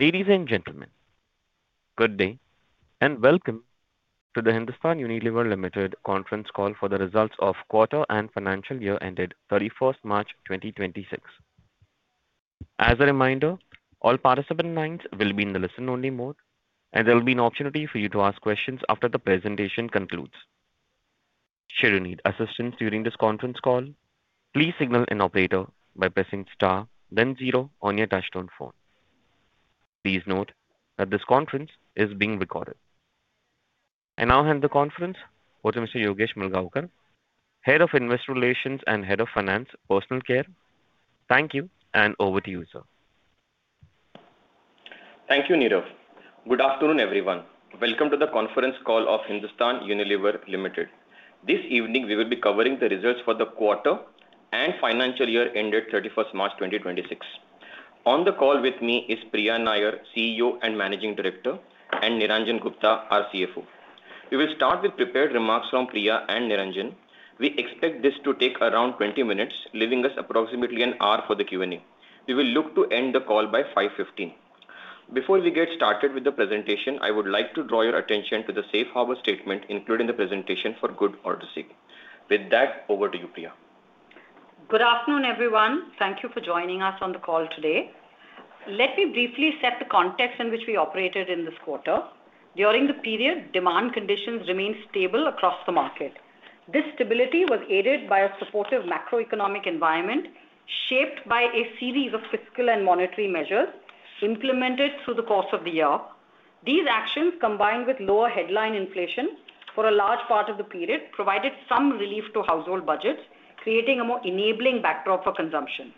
Ladies and gentlemen, good day and welcome to the Hindustan Unilever Limited Conference Call for the results of quarter and financial year ended 31st March 2026. As a reminder, all participant lines will be in the listen only mode, and there will be an opportunity for you to ask questions after the presentation concludes. Should you need assistance during this conference call, please signal an operator by pressing star then zero on your touchtone phone. Please note that this conference is being recorded. I now hand the conference over to Mr. Yogesh Mulgaonkar, Head of Investor Relations and Head of Finance, Personal Care. Thank you. Over to you, sir. Thank you, Nirav. Good afternoon, everyone. Welcome to the conference call of Hindustan Unilever Limited. This evening we will be covering the results for the quarter and financial year ended 31st March 2026. On the call with me is Priya Nair, CEO and Managing Director, and Niranjan Gupta, our CFO. We will start with prepared remarks from Priya and Niranjan. We expect this to take around 20 minutes, leaving us approximately an hour for the Q&A. We will look to end the call by 5:15 P.M. Before we get started with the presentation, I would like to draw your attention to the safe harbor statement included in the presentation for good order's sake. With that, over to you, Priya. Good afternoon, everyone. Thank you for joining us on the call today. Let me briefly set the context in which we operated in this quarter. During the period, demand conditions remained stable across the market. This stability was aided by a supportive macroeconomic environment shaped by a series of fiscal and monetary measures implemented through the course of the year. These actions, combined with lower headline inflation for a large part of the period, provided some relief to household budgets, creating a more enabling backdrop for consumption.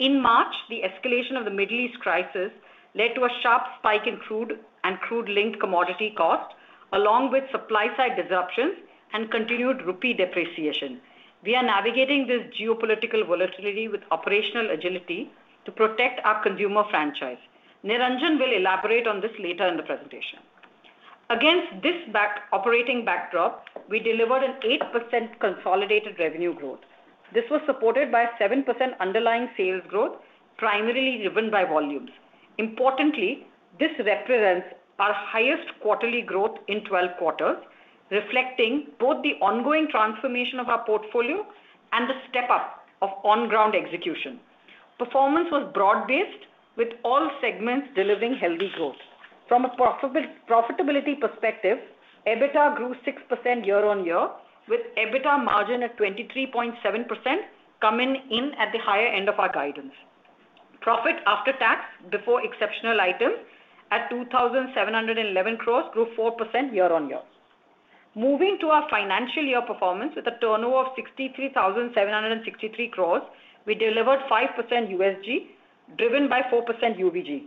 In March, the escalation of the Middle East crisis led to a sharp spike in crude and crude-linked commodity costs, along with supply side disruptions and continued rupee depreciation. We are navigating this geopolitical volatility with operational agility to protect our consumer franchise. Niranjan will elaborate on this later in the presentation. Against this operating backdrop, we delivered an 8% consolidated revenue growth. This was supported by 7% underlying sales growth, primarily driven by volumes. Importantly, this represents our highest quarterly growth in 12 quarters, reflecting both the ongoing transformation of our portfolio and the step up of on ground execution. Performance was broad-based with all segments delivering healthy growth. From a profitability perspective, EBITDA grew 6% year-on-year, with EBITDA margin at 23.7% coming in at the higher end of our guidance. Profit after tax before exceptional items at 2,711 crore grew 4% year-on-year. Moving to our financial year performance with a turnover of 63,763 crore, we delivered 5% USG driven by 4% UVG.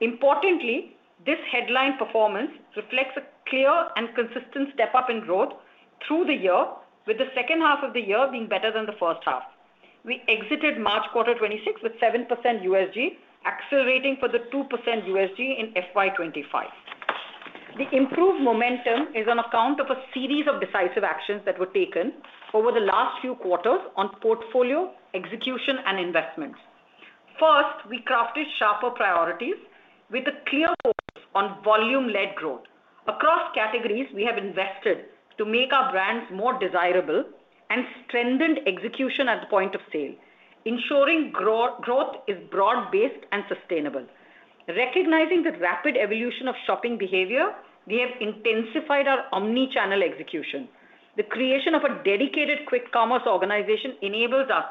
Importantly, this headline performance reflects a clear and consistent step up in growth through the year, with the second half of the year being better than the first half. We exited March quarter 2026 with 7% USG accelerating for the 2% USG in FY 2025. The improved momentum is on account of a series of decisive actions that were taken over the last few quarters on portfolio execution and investments. First, we crafted sharper priorities with a clear focus on volume-led growth. Across categories, we have invested to make our brands more desirable and strengthened execution at the point of sale, ensuring growth is broad-based and sustainable. Recognizing the rapid evolution of shopping behavior, we have intensified our omni-channel execution. The creation of a dedicated quick commerce organization enables us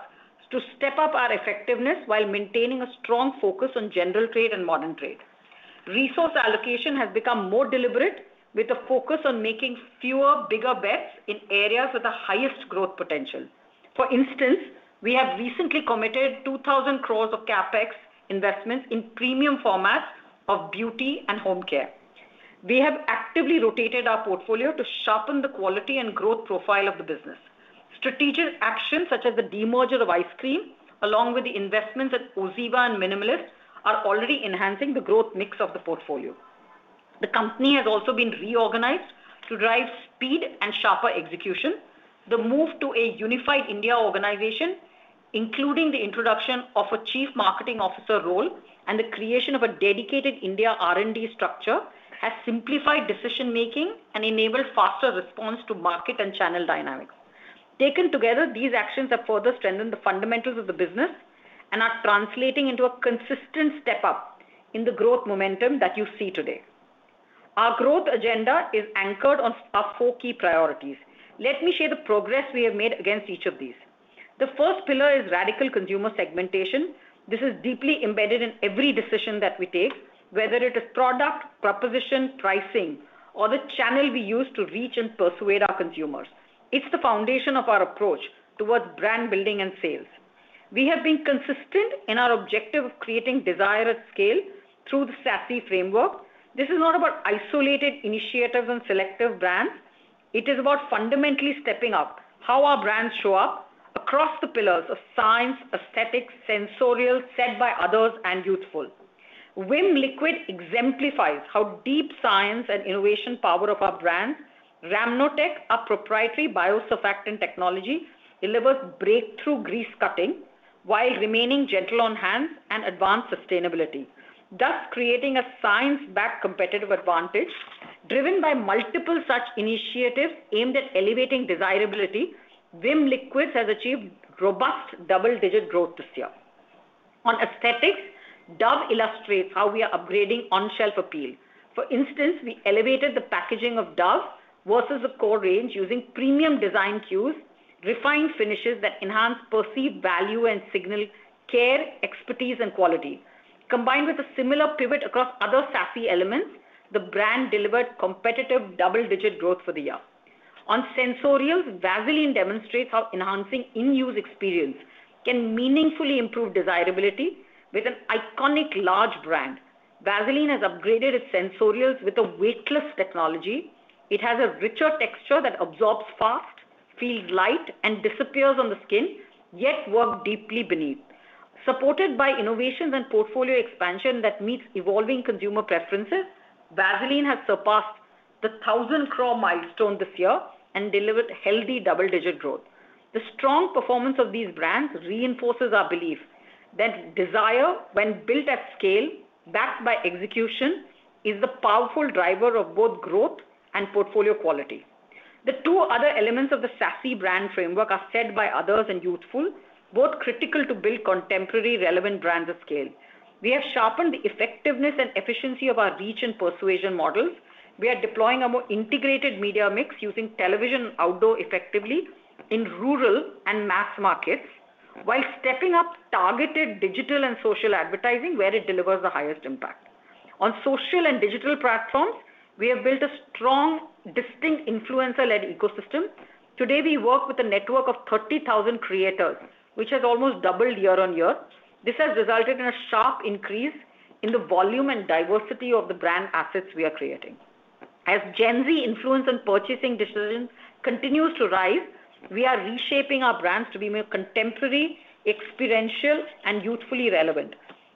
to step up our effectiveness while maintaining a strong focus on general trade and modern trade. Resource allocation has become more deliberate, with a focus on making fewer, bigger bets in areas with the highest growth potential. For instance, we have recently committed 2,000 crore of CapEx investments in premium formats of Beauty and Home Care. We have actively rotated our portfolio to sharpen the quality and growth profile of the business. Strategic actions such as the demerger of ice cream along with the investments at OZiva and Minimalist are already enhancing the growth mix of the portfolio. The company has also been reorganized to drive speed and sharper execution. The move to a unified India organization, including the introduction of a chief marketing officer role and the creation of a dedicated India R&D structure, has simplified decision making and enabled faster response to market and channel dynamics. Taken together, these actions have further strengthened the fundamentals of the business and are translating into a consistent step up in the growth momentum that you see today. Our growth agenda is anchored on our four key priorities. Let me share the progress we have made against each of these. The first pillar is radical consumer segmentation. This is deeply embedded in every decision that we take, whether it is product, proposition, pricing, or the channel we use to reach and persuade our consumers. It's the foundation of our approach towards brand building and sales. We have been consistent in our objective of creating desire at scale through the SASSY framework. This is not about isolated initiatives and selective brands. It is about fundamentally stepping up how our brands show up across the pillars of science, aesthetics, sensorials, shared by others, and youthful. Vim Liquid exemplifies how deep science and innovation power of our brands. RhamnoTech, our proprietary biosurfactant technology, delivers breakthrough grease cutting while remaining gentle on hands and advanced sustainability, thus creating a science-backed competitive advantage. Driven by multiple such initiatives aimed at elevating desirability, Vim Liquid has achieved robust double-digit growth this year. On aesthetics, Dove illustrates how we are upgrading on-shelf appeal. For instance, we elevated the packaging of Dove versus the core range using premium design cues, refined finishes that enhance perceived value and signal care, expertise and quality. Combined with a similar pivot across other SASSY elements, the brand delivered competitive double-digit growth for the year. On sensorial, Vaseline demonstrates how enhancing in-use experience can meaningfully improve desirability with an iconic large brand. Vaseline has upgraded its sensorial with a weightless technology. It has a richer texture that absorbs fast, feels light, and disappears on the skin, yet work deeply beneath. Supported by innovations and portfolio expansion that meets evolving consumer preferences, Vaseline has surpassed the 1,000 crore milestone this year and delivered healthy double-digit growth. The strong performance of these brands reinforces our belief that desire, when built at scale, backed by execution, is the powerful driver of both growth and portfolio quality. The two other elements of the SASSY brand framework are shared by others and youthful, both critical to build contemporary relevant brands of scale. We have sharpened the effectiveness and efficiency of our reach and persuasion models. We are deploying a more integrated media mix using television outdoor effectively in rural and mass markets while stepping up targeted digital and social advertising where it delivers the highest impact. On social and digital platforms, we have built a strong, distinct influencer-led ecosystem. Today, we work with a network of 30,000 creators, which has almost doubled year-on-year. This has resulted in a sharp increase in the volume and diversity of the brand assets we are creating. As Gen Z influence on purchasing decisions continues to rise, we are reshaping our brands to be more contemporary, experiential, and youthfully relevant.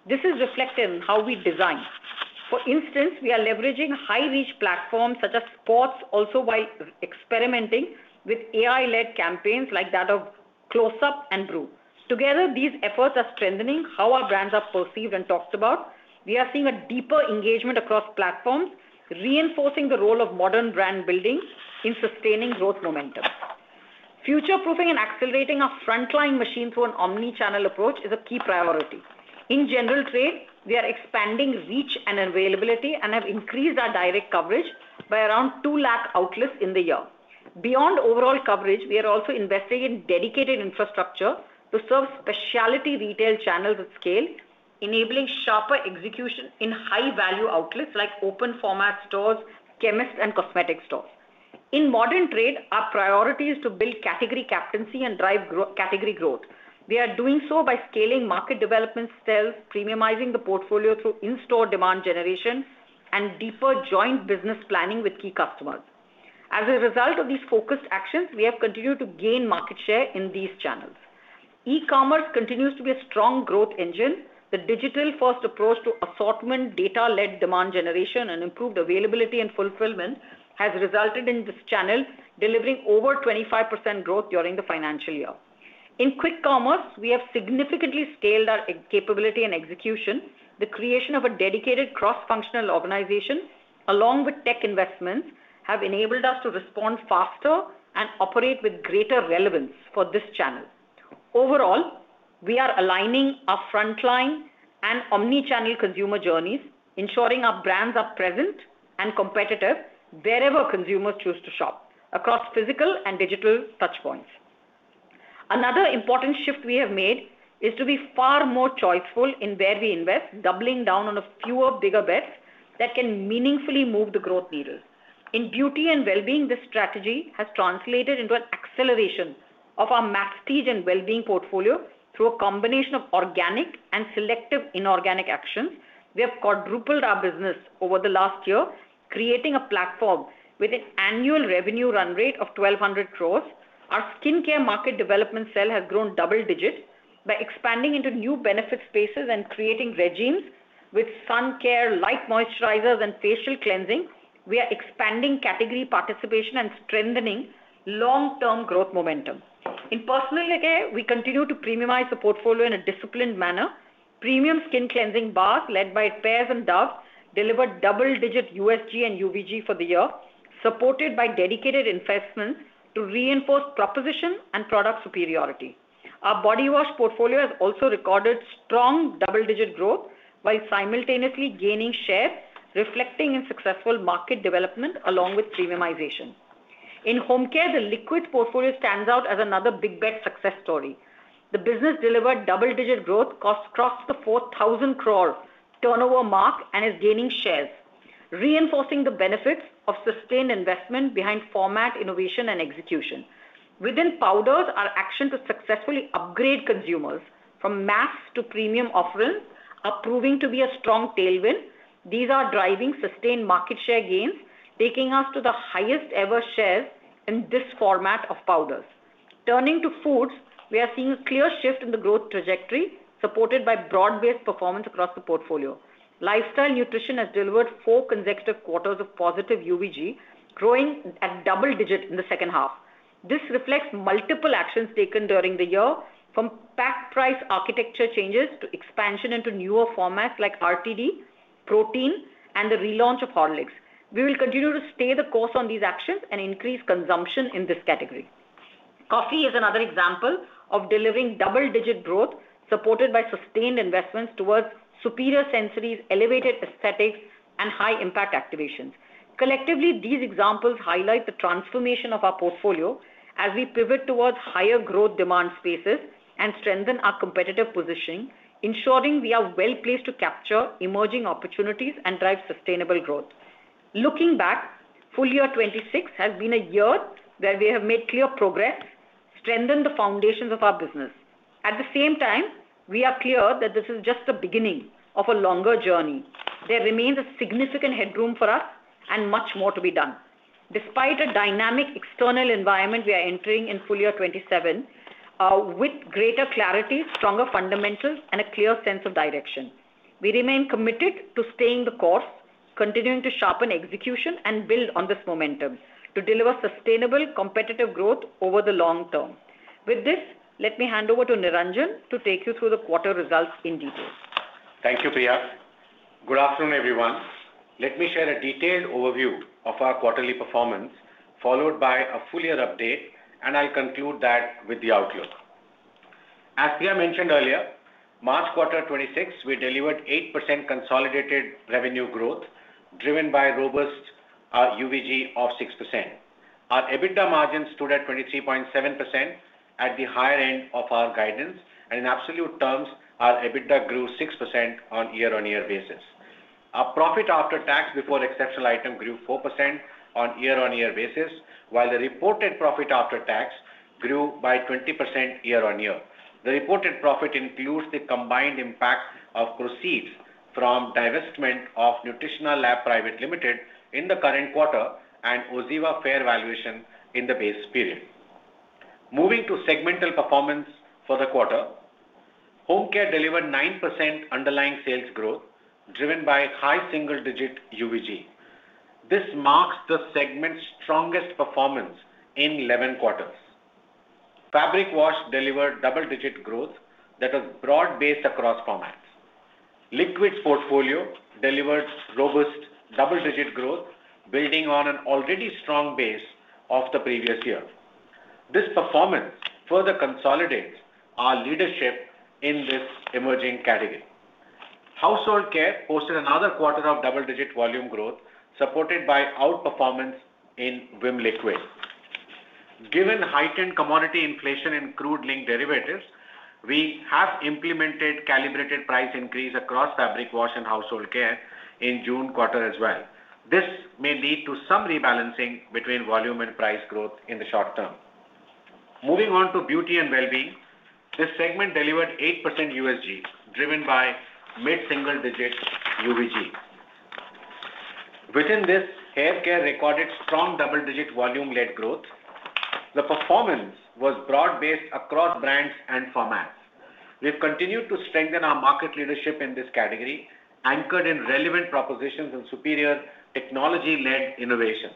This is reflected in how we design. For instance, we are leveraging high-reach platforms such as sports also while experimenting with AI-led campaigns like that of Close-Up and Bru. Together, these efforts are strengthening how our brands are perceived and talked about. We are seeing a deeper engagement across platforms, reinforcing the role of modern brand building in sustaining growth momentum. Future-proofing and accelerating our frontline machine through an omnichannel approach is a key priority. In general trade, we are expanding reach and availability and have increased our direct coverage by around 2 lakh outlets in the year. Beyond overall coverage, we are also investing in dedicated infrastructure to serve specialty retail channels at scale, enabling sharper execution in high-value outlets like open format stores, chemists and cosmetic stores. In modern trade, our priority is to build category captaincy and drive category growth. We are doing so by scaling market development sales, premiumizing the portfolio through in-store demand generation and deeper joint business planning with key customers. As a result of these focused actions, we have continued to gain market share in these channels. E-commerce continues to be a strong growth engine. The digital-first approach to assortment data-led demand generation and improved availability and fulfillment has resulted in this channel delivering over 25% growth during the financial year. In quick commerce, we have significantly scaled our capability and execution. The creation of a dedicated cross-functional organization along with tech investments have enabled us to respond faster and operate with greater relevance for this channel. Overall, we are aligning our frontline and omnichannel consumer journeys, ensuring our brands are present and competitive wherever consumers choose to shop across physical and digital touchpoints. Another important shift we have made is to be far more choiceful in where we invest, doubling down on a fewer bigger bets that can meaningfully move the growth needle. In Beauty and Wellbeing, this strategy has translated into an acceleration of our masstige and Wellbeing portfolio through a combination of organic and selective inorganic actions. We have quadrupled our business over the last year, creating a platform with an annual revenue run rate of 1,200 crore. Our Skin Care market development cell has grown double digits by expanding into new benefit spaces and creating regimes with sun care, light moisturizers and facial cleansing. We are expanding category participation and strengthening long-term growth momentum. In Personal Care, we continue to premiumize the portfolio in a disciplined manner. Premium skin cleansing bars led by Pears and Dove delivered double-digit USG and UVG for the year, supported by dedicated investments to reinforce proposition and product superiority. Our body wash portfolio has also recorded strong double-digit growth while simultaneously gaining share, reflecting a successful market development along with premiumization. In Home Care, the liquid portfolio stands out as another big bet success story. The business delivered double-digit growth, crossed the 4,000 crore turnover mark and is gaining shares, reinforcing the benefits of sustained investment behind format innovation and execution. Within powders, our action to successfully upgrade consumers from mass to premium offerings are proving to be a strong tailwind. These are driving sustained market share gains, taking us to the highest ever shares in this format of powders. Turning to foods, we are seeing a clear shift in the growth trajectory supported by broad-based performance across the portfolio. Lifestyle Nutrition has delivered four consecutive quarters of positive UVG, growing at double digits in the second half. This reflects multiple actions taken during the year, from pack price architecture changes to expansion into newer formats like RTD, protein, and the relaunch of Horlicks. We will continue to stay the course on these actions and increase consumption in this category. Coffee is another example of delivering double-digit growth supported by sustained investments towards superior sensories, elevated aesthetics and high impact activations. Collectively, these examples highlight the transformation of our portfolio as we pivot towards higher growth demand spaces and strengthen our competitive positioning, ensuring we are well-placed to capture emerging opportunities and drive sustainable growth. Looking back, full year 2026 has been a year where we have made clear progress, strengthened the foundations of our business. At the same time, we are clear that this is just the beginning of a longer journey. There remains a significant headroom for us and much more to be done. Despite a dynamic external environment we are entering in full year 2027, with greater clarity, stronger fundamentals and a clear sense of direction. We remain committed to staying the course, continuing to sharpen execution and build on this momentum to deliver sustainable competitive growth over the long term. With this, let me hand over to Niranjan to take you through the quarter results in detail. Thank you, Priya. Good afternoon, everyone. Let me share a detailed overview of our quarterly performance, followed by a full year update, I'll conclude that with the outlook. As Priya mentioned earlier, March quarter 2026 we delivered 8% consolidated revenue growth driven by robust UVG of 6%. Our EBITDA margin stood at 23.7% at the higher end of our guidance. In absolute terms, our EBITDA grew 6% on a year-on-year basis. Our profit after tax before exceptional item grew 4% on a year-on-year basis, while the reported profit after tax grew by 20% year-on-year. The reported profit includes the combined impact of proceeds from divestment of Nutritionalab Private Limited in the current quarter and OZiva fair valuation in the base period. Moving to segmental performance for the quarter. Home Care delivered 9% underlying sales growth driven by high single-digit UVG. This marks the segment's strongest performance in 11 quarters. Fabric Wash delivered double-digit growth that was broad-based across formats. Liquids portfolio delivered robust double-digit growth, building on an already strong base of the previous year. This performance further consolidates our leadership in this emerging category. Household Care posted another quarter of double-digit volume growth, supported by outperformance in Vim Liquid. Given heightened commodity inflation in crude linked derivatives, we have implemented calibrated price increase across Fabric Wash and Household Care in June quarter as well. This may lead to some rebalancing between volume and price growth in the short term. Moving on to Beauty and Wellbeing. This segment delivered 8% USG, driven by mid-single digit UVG. Within this, Hair Care recorded strong double-digit volume-led growth. The performance was broad-based across brands and formats. We've continued to strengthen our market leadership in this category, anchored in relevant propositions and superior technology-led innovations.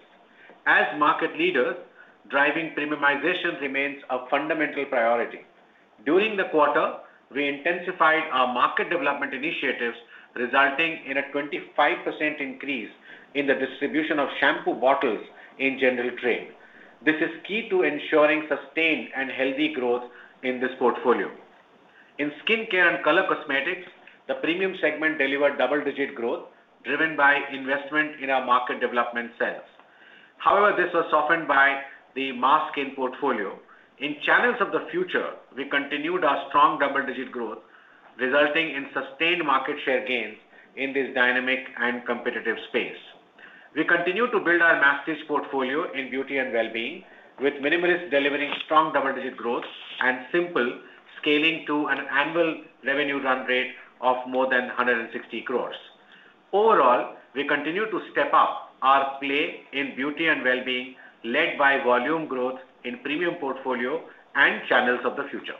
As market leader, driving premiumization remains a fundamental priority. During the quarter, we intensified our market development initiatives, resulting in a 25% increase in the distribution of shampoo bottles in general trade. This is key to ensuring sustained and healthy growth in this portfolio. In Skin Care and Color Cosmetics, the premium segment delivered double-digit growth driven by investment in our market development sales. However, this was softened by the mass skin portfolio. In channels of the future, we continued our strong double-digit growth, resulting in sustained market share gains in this dynamic and competitive space. We continue to build our mass portfolio in Beauty and Wellbeing, with Minimalist delivering strong double-digit growth and Simple scaling to an annual revenue run rate of more than 160 crore. Overall, we continue to step up our play in Beauty and Wellbeing, led by volume growth in premium portfolio and channels of the future.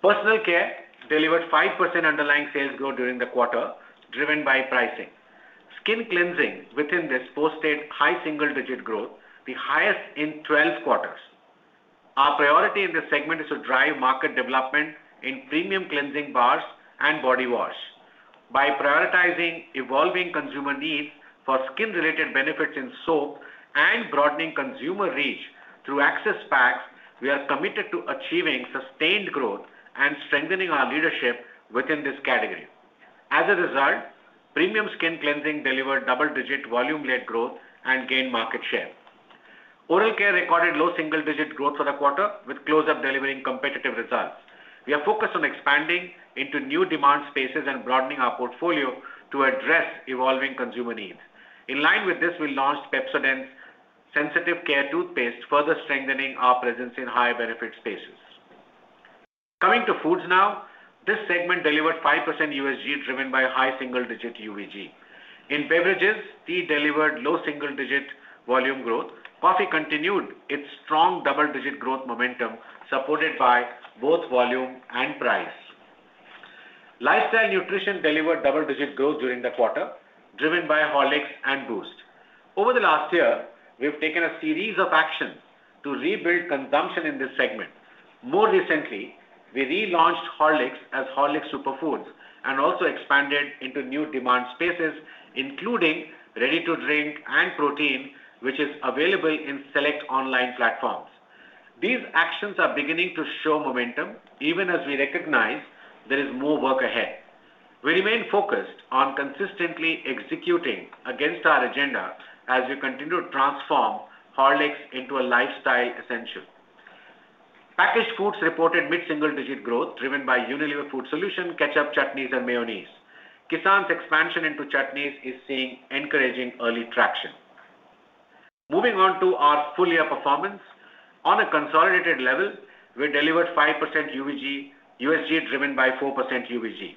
Personal Care delivered 5% underlying sales growth during the quarter, driven by pricing. Skin cleansing within this posted high single-digit growth, the highest in 12 quarters. Our priority in this segment is to drive market development in premium cleansing bars and body wash. By prioritizing evolving consumer needs for skin-related benefits in soap and broadening consumer reach through access packs, we are committed to achieving sustained growth and strengthening our leadership within this category. As a result, premium skin cleansing delivered double-digit volume-led growth and gained market share. Oral Care recorded low single-digit growth for the quarter, with Close-Up delivering competitive results. We are focused on expanding into new demand spaces and broadening our portfolio to address evolving consumer needs. In line with this, we launched Pepsodent Sensitive Care toothpaste, further strengthening our presence in high benefit spaces. Coming to Foods now. This segment delivered 5% USG, driven by high single-digit UVG. In Beverages, tea delivered low single-digit volume growth. Coffee continued its strong double-digit growth momentum, supported by both volume and price. Lifestyle Nutrition delivered double-digit growth during the quarter, driven by Horlicks and Boost. Over the last year, we have taken a series of actions to rebuild consumption in this segment. More recently, we relaunched Horlicks as Horlicks Superfoods, and also expanded into new demand spaces, including ready-to-drink and protein, which is available in select online platforms. These actions are beginning to show momentum, even as we recognize there is more work ahead. We remain focused on consistently executing against our agenda as we continue to transform Horlicks into a lifestyle essential. Packaged foods reported mid-single-digit growth, driven by Unilever Food Solutions, ketchup, chutneys, and mayonnaise. Kissan's expansion into chutneys is seeing encouraging early traction. Moving on to our full year performance. On a consolidated level, we delivered 5% UVG-USG, driven by 4% UVG.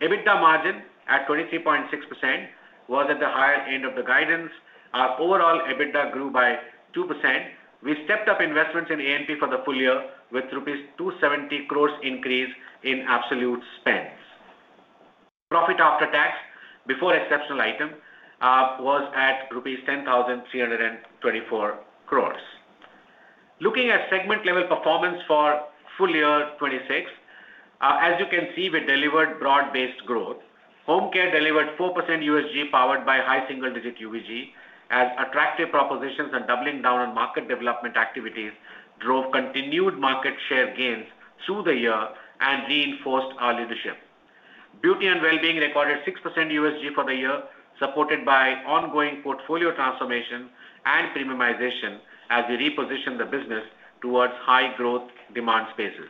EBITDA margin at 23.6% was at the higher end of the guidance. Our overall EBITDA grew by 2%. We stepped up investments in A&P for the full year with rupees 270 crore increase in absolute spends. Profit after tax before exceptional item was at rupees 10,324 crore. Looking at segment level performance for full year 2026, as you can see, we delivered broad-based growth. Home Care delivered 4% USG powered by high single-digit UVG as attractive propositions and doubling down on market development activities drove continued market share gains through the year and reinforced our leadership. Beauty and Wellbeing recorded 6% USG for the year, supported by ongoing portfolio transformation and premiumization as we reposition the business towards high growth demand spaces.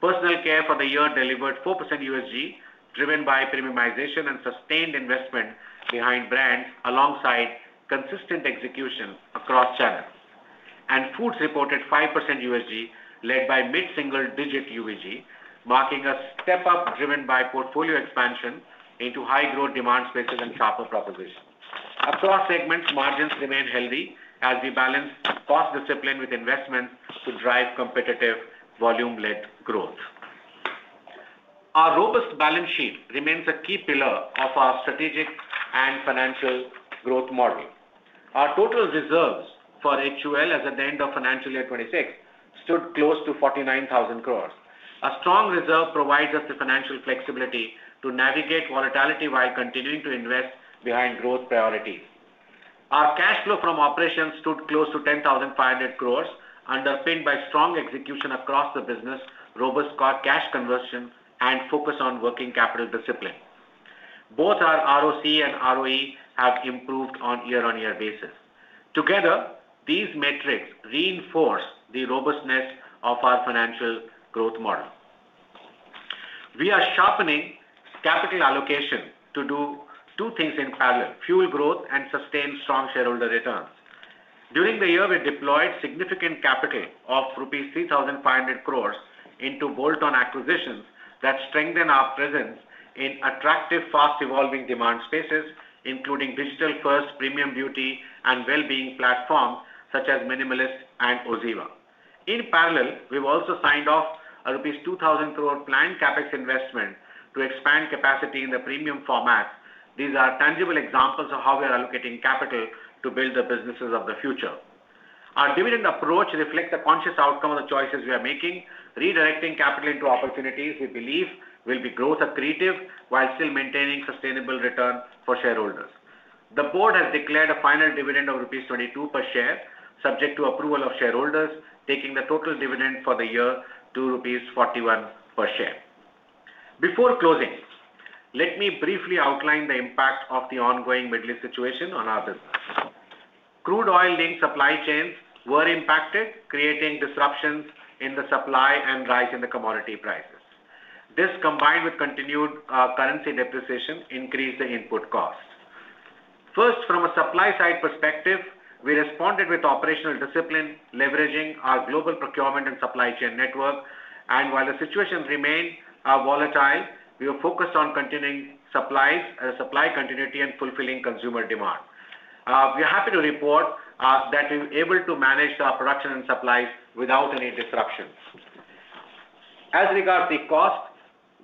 Personal Care for the year delivered 4% USG, driven by premiumization and sustained investment behind brands alongside consistent execution across channels. Foods reported 5% USG led by mid-single-digit UVG, marking a step up driven by portfolio expansion into high growth demand spaces and sharper propositions. Across segments, margins remain healthy as we balance cost discipline with investment to drive competitive volume-led growth. Our robust balance sheet remains a key pillar of our strategic and financial growth model. Our total reserves for HUL as at the end of financial year 2026 stood close to 49,000 crore. A strong reserve provides us the financial flexibility to navigate volatility while continuing to invest behind growth priorities. Our cash flow from operations stood close to 10,500 crore, underpinned by strong execution across the business, robust cash conversion, and focus on working capital discipline. Both our ROC and ROE have improved on year-on-year basis. Together, these metrics reinforce the robustness of our financial growth model. We are sharpening capital allocation to do two things in parallel: fuel growth and sustain strong shareholder returns. During the year, we deployed significant capital of rupees 3,500 crore into bolt-on acquisitions that strengthen our presence in attractive, fast-evolving demand spaces, including digital-first premium Beauty and Wellbeing platforms such as Minimalist and OZiva. In parallel, we've also signed off a rupees 2,000 crore planned CapEx investment to expand capacity in the premium format. These are tangible examples of how we are allocating capital to build the businesses of the future. Our dividend approach reflects the conscious outcome of the choices we are making, redirecting capital into opportunities we believe will be growth accretive while still maintaining sustainable return for shareholders. The board has declared a final dividend of 22 rupees per share, subject to approval of shareholders, taking the total dividend for the year to 41 rupees per share. Before closing, let me briefly outline the impact of the ongoing Middle East situation on our business. Crude oil link supply chains were impacted, creating disruptions in the supply and rise in the commodity prices. This, combined with continued currency depreciation, increased the input cost. First, from a supply side perspective, we responded with operational discipline, leveraging our global procurement and supply chain network. While the situation remain volatile, we are focused on continuing supplies, supply continuity, and fulfilling consumer demand. We are happy to report that we're able to manage our production and supply without any disruptions. As regard the cost,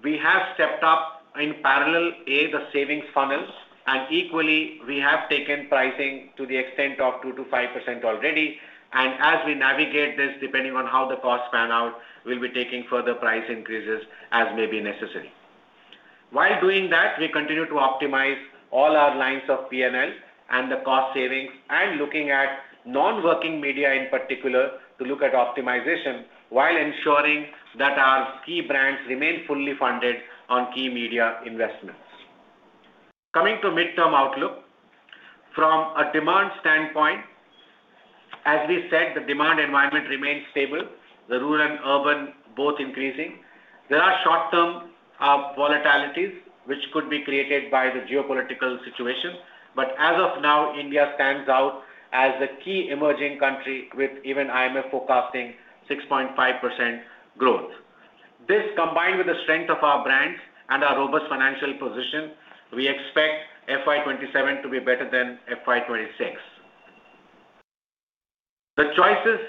we have stepped up in parallel, A, the savings funnels, and equally, we have taken pricing to the extent of 2%-5% already. As we navigate this, depending on how the costs pan out, we'll be taking further price increases as may be necessary. While doing that, we continue to optimize all our lines of P&L and the cost savings and looking at non-working media in particular to look at optimization while ensuring that our key brands remain fully funded on key media investments. Coming to midterm outlook. From a demand standpoint, as we said, the demand environment remains stable, the rural and urban both increasing. There are short-term volatilities which could be created by the geopolitical situation. As of now, India stands out as the key emerging country with even IMF forecasting 6.5% growth. This, combined with the strength of our brands and our robust financial position, we expect FY 2027 to be better than FY 2026. The choices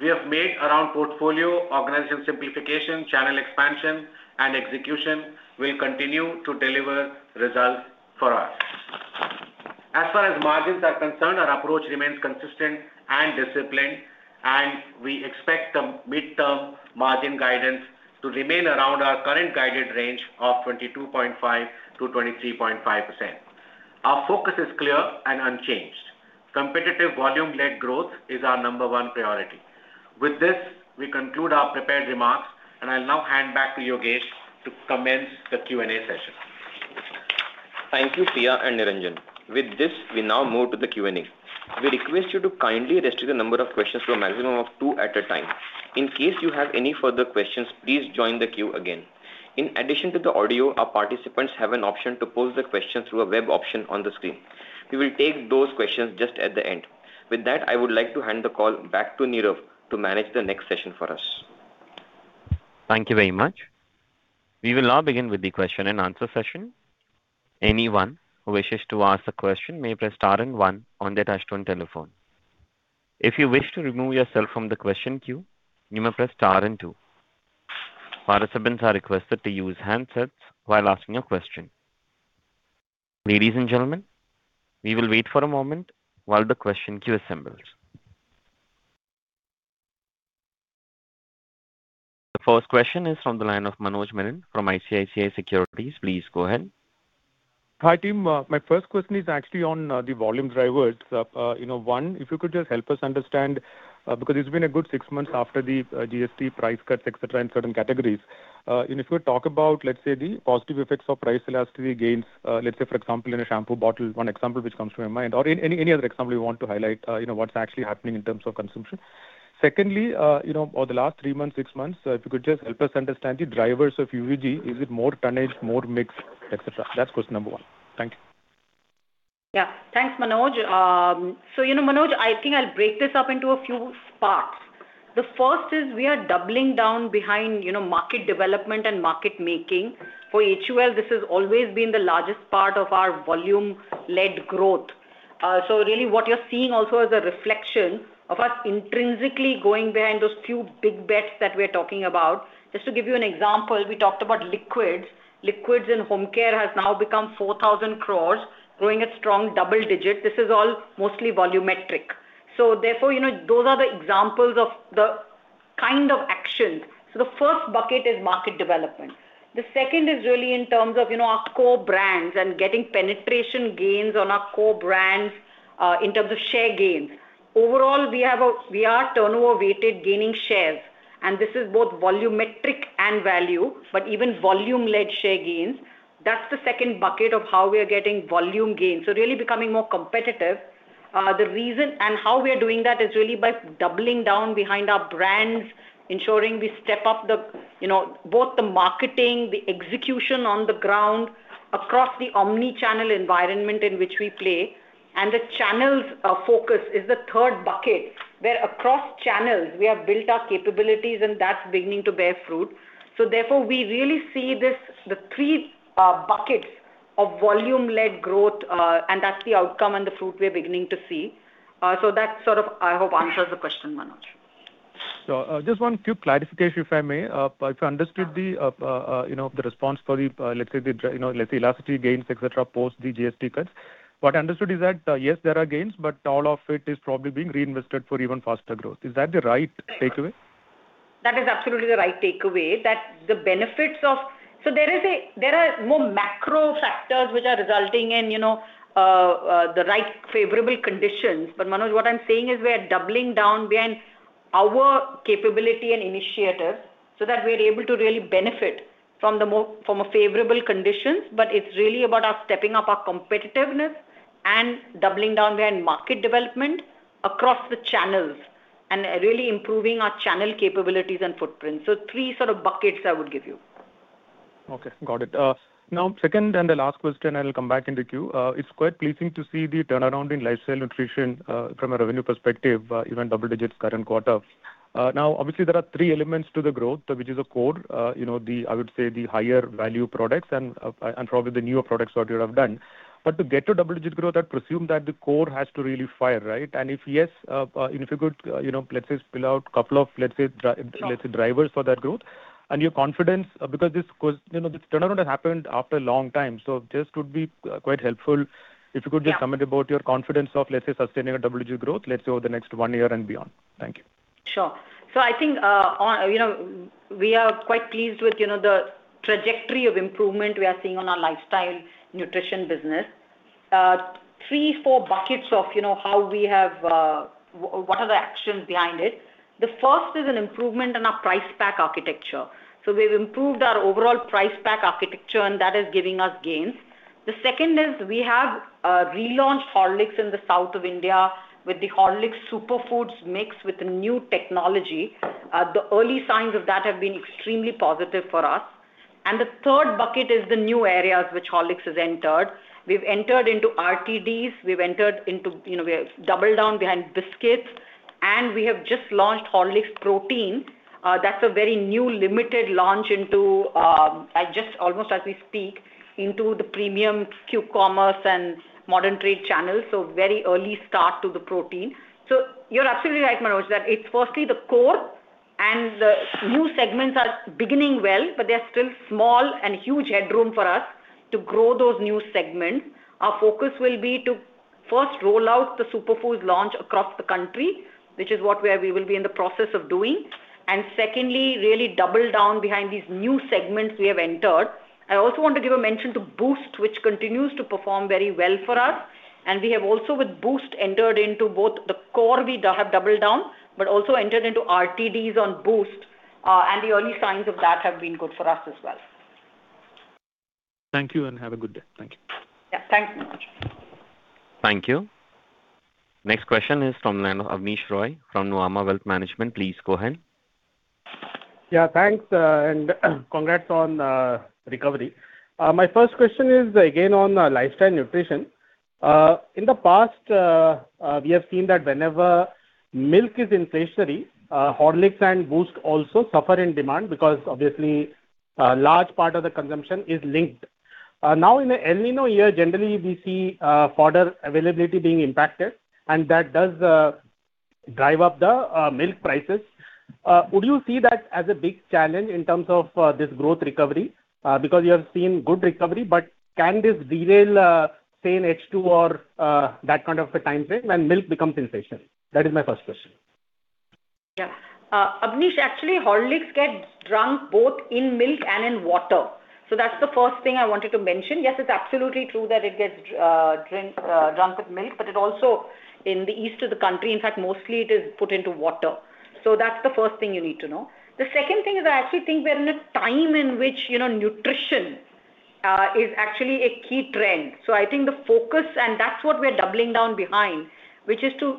we have made around portfolio, organization simplification, channel expansion, and execution will continue to deliver results for us. As far as margins are concerned, our approach remains consistent and disciplined, and we expect the midterm margin guidance to remain around our current guided range of 22.5%-23.5%. Our focus is clear and unchanged. Competitive volume-led growth is our number one priority. With this, we conclude our prepared remarks, and I'll now hand back to Yogesh to commence the Q&A session. Thank you, Priya and Niranjan. With this, we now move to the Q&A. We request you to kindly restrict the number of questions to a maximum of two at a time. In case you have any further questions, please join the queue again. In addition to the audio, our participants have an option to pose the question through a web option on the screen. We will take those questions just at the end. With that, I would like to hand the call back to Nirav to manage the next session for us. Thank you very much. We will now begin with the question and answer session. The first question is from the line of Manoj Menon from ICICI Securities. Please go ahead. Hi, team. My first question is actually on the volume drivers. You know, one, if you could just help us understand, because it's been a good six months after the GST price cuts, et cetera, in certain categories. If you talk about, let's say, the positive effects of price elasticity gains, let's say for example, in a shampoo bottle, one example which comes to my mind or any other example you want to highlight, you know, what's actually happening in terms of consumption. Secondly, you know, over the last three months, six months, if you could just help us understand the drivers of UVG. Is it more tonnage, more mix, et cetera? That's question number one. Thank you. Yeah. Thanks, Manoj. You know, Manoj, I think I'll break this up into a few parts. The first is we are doubling down behind, you know, market development and market making. For HUL, this has always been the largest part of our volume-led growth. Really what you're seeing also is a reflection of us intrinsically going behind those few big bets that we're talking about. Just to give you an example, we talked about Liquids. Liquids in Home Care has now become 4,000 crore, growing at strong double digits. This is all mostly volumetric. Therefore, you know, those are the examples of the kind of actions. The first bucket is market development. The second is really in terms of, you know, our core brands and getting penetration gains on our core brands, in terms of share gains. Overall, we are turnover-weighted gaining shares, and this is both volumetric and value, but even volume-led share gains. That's the second bucket of how we are getting volume gains. Really becoming more competitive. The reason and how we are doing that is really by doubling down behind our brands, ensuring we step up the, you know, both the marketing, the execution on the ground across the omni-channel environment in which we play. The channels focus is the third bucket, where across channels we have built our capabilities and that's beginning to bear fruit. Therefore, we really see this, the three buckets of volume-led growth, and that's the outcome and the fruit we are beginning to see. That sort of, I hope, answers the question, Manoj. Just one quick clarification if I may. If I understood the response for the elasticity gains, et cetera, post the GST cuts. What I understood is that, yes, there are gains, but all of it is probably being reinvested for even faster growth. Is that the right takeaway? That is absolutely the right takeaway. That there are more macro factors which are resulting in, you know, the right favorable conditions. Manoj, what I'm saying is we are doubling down behind our capability and initiatives so that we're able to really benefit from a favorable conditions. It's really about us stepping up our competitiveness and doubling down behind market development across the channels and really improving our channel capabilities and footprint. Three sort of buckets I would give you. Okay, got it. Now second and the last question, I will come back in the queue. It's quite pleasing to see the turnaround in Lifestyle Nutrition, from a revenue perspective, even double digits current quarter. Now obviously there are three elements to the growth, which is a core, you know, I would say the higher value products, and probably the newer products what you have done. To get to double-digit growth, I presume that the core has to really fire, right? If yes, and if you could, you know, let's say spill out couple of, let's say dri- Sure. Let's say drivers for that growth and your confidence because you know, this turnaround happened after a long time, so just would be quite helpful if you could. Yeah. Comment about your confidence of, let's say, sustaining a double-digit growth, let's say over the next one year and beyond. Thank you. Sure. I think, on, you know, we are quite pleased with, you know, the trajectory of improvement we are seeing on our Lifestyle Nutrition business. Three, four buckets of, you know, how we have, what are the actions behind it. The first is an improvement in our price pack architecture. We've improved our overall price pack architecture and that is giving us gains. The second is we have relaunched Horlicks in the south of India with the Horlicks Superfoods mixed with new technology. The early signs of that have been extremely positive for us. The third bucket is the new areas which Horlicks has entered. We've entered into RTDs, we've entered into, you know, we have doubled down behind biscuits, and we have just launched Horlicks Protein. That's a very new limited launch into just almost as we speak, into the premium Q-commerce and modern trade channels. Very early start to the protein. You're absolutely right, Manoj, that it's firstly the core and the new segments are beginning well. They're still small and huge headroom for us to grow those new segments. Our focus will be to first roll out the Horlicks Superfoods launch across the country, which is what we will be in the process of doing. Secondly, really double down behind these new segments we have entered. I also want to give a mention to Boost, which continues to perform very well for us. We have also, with Boost, entered into both the core we have doubled down, also entered into RTDs on Boost. The early signs of that have been good for us as well. Thank you. Have a good day. Thank you. Yeah, thanks so much. Thank you. Next question is from Abneesh Roy from Nuvama Wealth Management. Please go ahead. Yeah, thanks, and congrats on recovery. My first question is again on Lifestyle Nutrition. In the past, we have seen that whenever milk is inflationary, Horlicks and Boost also suffer in demand because obviously a large part of the consumption is linked. Now in the El Niño year, generally we see fodder availability being impacted, and that does drive up the milk prices. Would you see that as a big challenge in terms of this growth recovery? Because you have seen good recovery, but can this derail, say, in H2 or that kind of a timeframe when milk becomes inflation? That is my first question. Yeah. Abneesh, actually, Horlicks gets drunk both in milk and in water. That's the first thing I wanted to mention. Yes, it's absolutely true that it gets drunk with milk, but it also in the east of the country, in fact, mostly it is put into water. That's the first thing you need to know. The second thing is I actually think we're in a time in which, you know, nutrition is actually a key trend. I think the focus and that's what we're doubling down behind, which is to,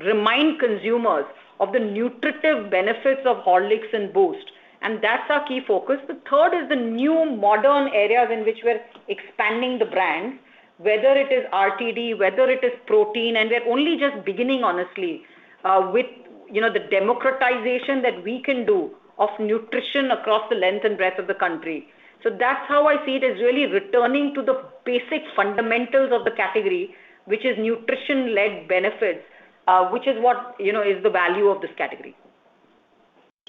you know, remind consumers of the nutritive benefits of Horlicks and Boost, and that's our key focus. The third is the new modern areas in which we're expanding the brand, whether it is RTD, whether it is protein, and we're only just beginning, honestly, with, you know, the democratization that we can do of nutrition across the length and breadth of the country. That's how I see it, as really returning to the basic fundamentals of the category, which is nutrition-led benefits, which is what, you know, is the value of this category.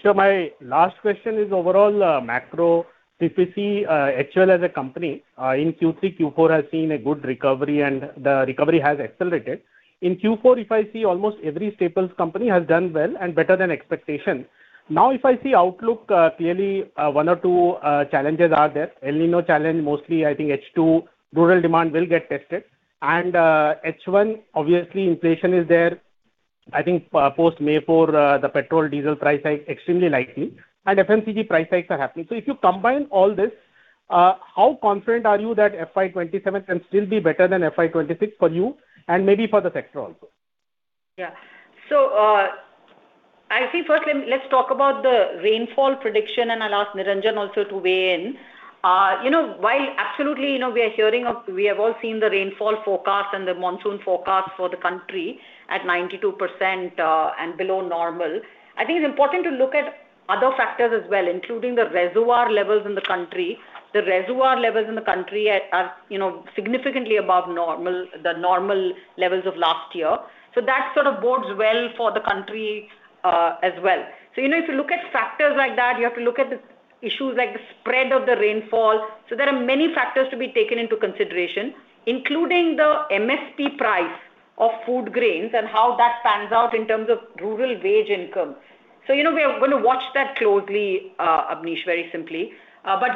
My last question is overall macro. If you see HUL as a company, in Q3, Q4 has seen a good recovery and the recovery has accelerated. In Q4, if I see almost every staples company has done well and better than expectation. If I see outlook, clearly, one or two challenges are there. El Niño challenge, mostly I think H2 rural demand will get tested. H1, obviously inflation is there. I think, post-May, for the petrol diesel price hike extremely likely and FMCG price hikes are happening. If you combine all this, how confident are you that FY 2027 can still be better than FY 2026 for you and maybe for the sector also? Yeah. I see. First, let's talk about the rainfall prediction, and I'll ask Niranjan also to weigh in. You know, while absolutely, you know, we are hearing we have all seen the rainfall forecast and the monsoon forecast for the country at 92% and below normal. I think it's important to look at other factors as well, including the reservoir levels in the country. The reservoir levels in the country are, you know, significantly above normal, the normal levels of last year. That sort of bodes well for the country as well. You know, if you look at factors like that, you have to look at the issues like the spread of the rainfall. There are many factors to be taken into consideration, including the MSP price of food grains and how that pans out in terms of rural wage income. You know, we are gonna watch that closely, Abneesh, very simply.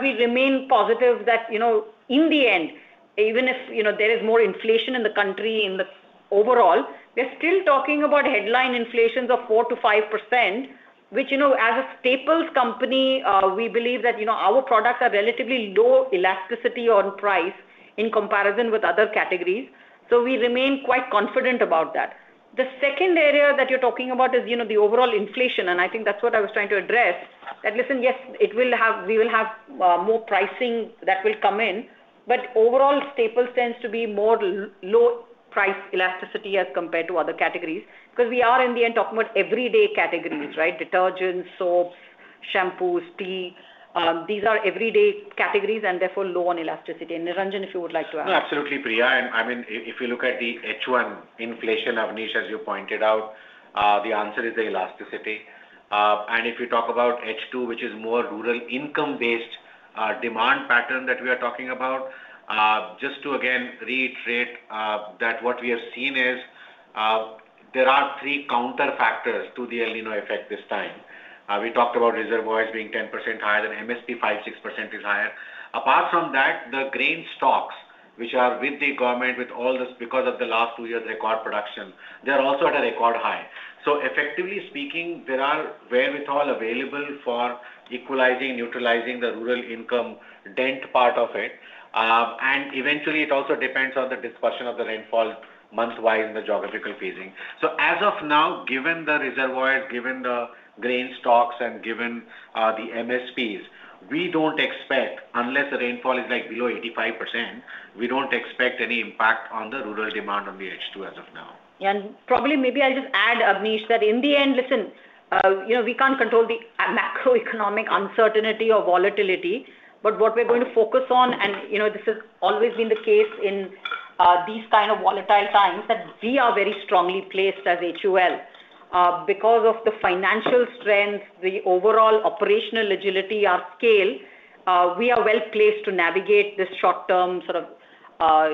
We remain positive that, you know, in the end, even if, you know, there is more inflation in the country in the overall, we're still talking about headline inflations of 4%-5%, which, you know, as a staples company, we believe that, you know, our products are relatively low elasticity on price in comparison with other categories. We remain quite confident about that. The second area that you're talking about is, you know, the overall inflation, and I think that's what I was trying to address. That listen, yes, we will have more pricing that will come in. Overall, staples tends to be more low price elasticity as compared to other categories because we are in the end talking about everyday categories, right? Detergents, soaps, shampoos, tea, these are everyday categories and therefore low on elasticity. Niranjan, if you would like to add. No, absolutely, Priya. I mean, if you look at the H1 inflation, Abneesh, as you pointed out, the answer is the elasticity. If you talk about H2, which is more rural income-based, demand pattern that we are talking about, just to again reiterate, that what we have seen is, there are three counter factors to the El Niño effect this time. We talked about reservoirs being 10% higher than MSP, 5%-6% is higher. Apart from that, the grain stocks, which are with the government, with all this because of the last two years' record production, they are also at a record high. Effectively speaking, there are wherewithal available for equalizing, neutralizing the rural income dent part of it. Eventually, it also depends on the dispersion of the rainfall month-wise and the geographical phasing. As of now, given the reservoirs, given the grain stocks, and given the MSPs, we don't expect, unless the rainfall is like below 85%, we don't expect any impact on the rural demand on the H2 as of now. Yeah. Probably, maybe I'll just add, Abneesh, that in the end, listen, you know, we can't control the macroeconomic uncertainty or volatility, but what we're going to focus on, and you know, this has always been the case in these kind of volatile times that we are very strongly placed as HUL. Because of the financial strength, the overall operational agility, our scale, we are well-placed to navigate this short-term sort of,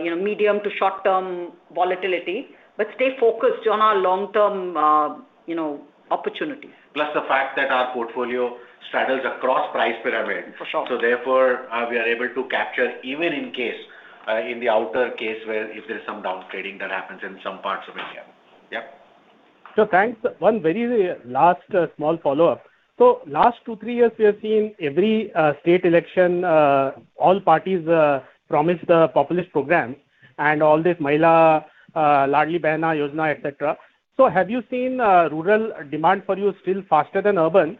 you know, medium to short-term volatility, but stay focused on our long-term, you know, opportunities. The fact that our portfolio straddles across price pyramid. For sure. We are able to capture even in case, in the outer case where if there's some downgrading that happens in some parts of India. Yep. Thanks. One very last small follow-up. Last two, three years, we have seen every state election, all parties promise the populist program and all this Mahila Ladli Behna Yojana, et cetera. Have you seen rural demand for you still faster than urban?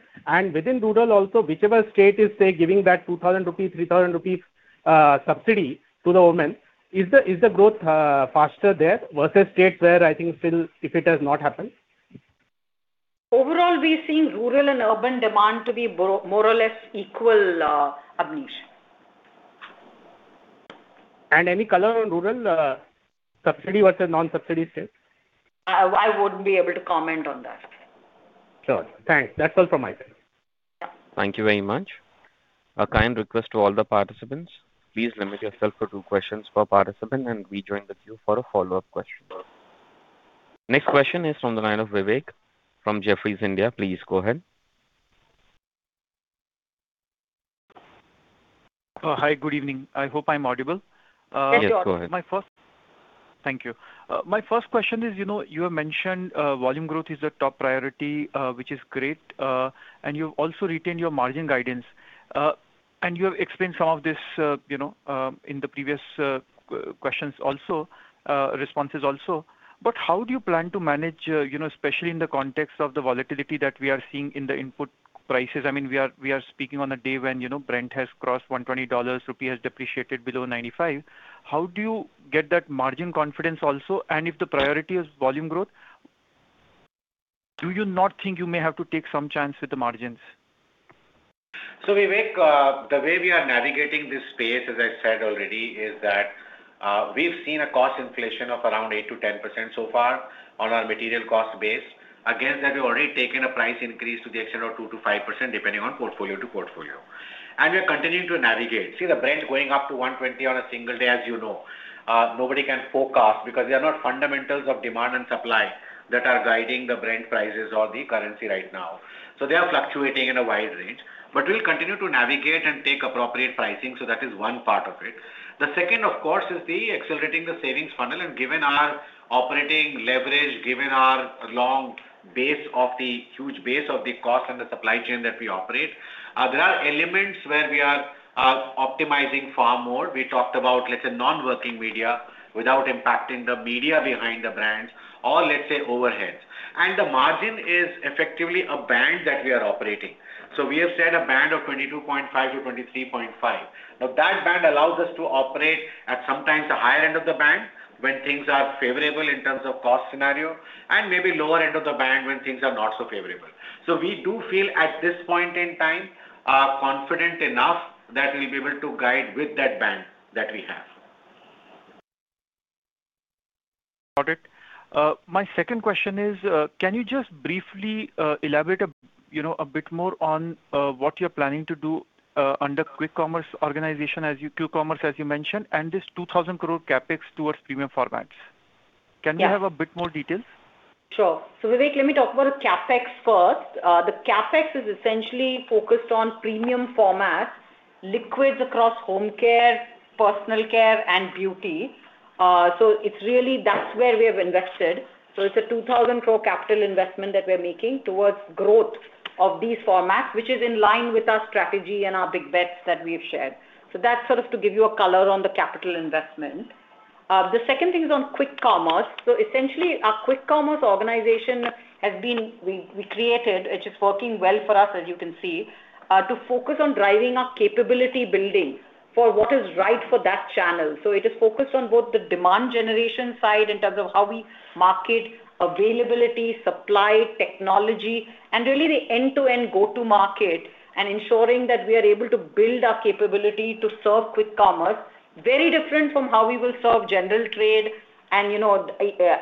Within rural also, whichever state is, say, giving that 2,000 rupees, 3,000 rupees subsidy to the women, is the growth faster there versus states where I think still if it has not happened? Overall, we're seeing rural and urban demand to be more or less equal, Abneesh. Any color on rural, subsidy versus non-subsidy states? I wouldn't be able to comment on that. Sure. Thanks. That's all from my side. Yeah. Thank you very much. A kind request to all the participants, please limit yourself to two questions per participant, and we join the queue for a follow-up question. Next question is from the line of Vivek from Jefferies India. Please go ahead. Hi. Good evening. I hope I'm audible. Yes, go ahead. Thank you. My first question is, you know, you have mentioned volume growth is a top priority, which is great. You've also retained your margin guidance. You have explained some of this, you know, in the previous questions also, responses also. How do you plan to manage, you know, especially in the context of the volatility that we are seeing in the input prices? I mean, we are speaking on a day when, you know, Brent has crossed $120, rupee has depreciated below 95. How do you get that margin confidence also? If the priority is volume growth, do you not think you may have to take some chance with the margins? Vivek, the way we are navigating this space, as I said already, is that we've seen a cost inflation of around 8%-10% so far on our material cost base. Against that, we've already taken a price increase to the extent of 2%-5%, depending on portfolio to portfolio. We are continuing to navigate. See, the Brent going up to 120 on a single day, as you know, nobody can forecast because they are not fundamentals of demand and supply that are guiding the Brent prices or the currency right now. They are fluctuating in a wide range. We'll continue to navigate and take appropriate pricing, so that is one part of it. The second, of course, is the accelerating the savings funnel. Given our operating leverage, given our long base of the huge base of the cost and the supply chain that we operate, there are elements where we are optimizing far more. We talked about, let's say, non-working media without impacting the media behind the brands or let's say overheads. The margin is effectively a band that we are operating. We have set a band of 22.5% to 23.5%. That band allows us to operate at sometimes the higher end of the band when things are favorable in terms of cost scenario and maybe lower end of the band when things are not so favorable. We do feel at this point in time confident enough that we'll be able to guide with that band that we have. Got it. My second question is, can you just briefly elaborate a, you know, a bit more on what you're planning to do under quick commerce organization q-commerce, as you mentioned, and this 2,000 crore CapEx towards premium formats? Yeah. Can we have a bit more details? Sure. Vivek, let me talk about the CapEx first. The CapEx is essentially focused on premium formats, Liquids across Home Care, Personal Care, and Beauty. It's really that's where we have invested. It's a 2,000 crore capital investment that we're making towards growth of these formats, which is in line with our strategy and our big bets that we've shared. That's sort of to give you a color on the capital investment. The second thing is on quick commerce. Essentially our quick commerce organization we created, which is working well for us, as you can see, to focus on driving our capability building for what is right for that channel. It is focused on both the demand generation side in terms of how we market availability, supply, technology, and really the end-to-end go-to market and ensuring that we are able to build our capability to serve quick commerce. Very different from how we will serve general trade and, you know,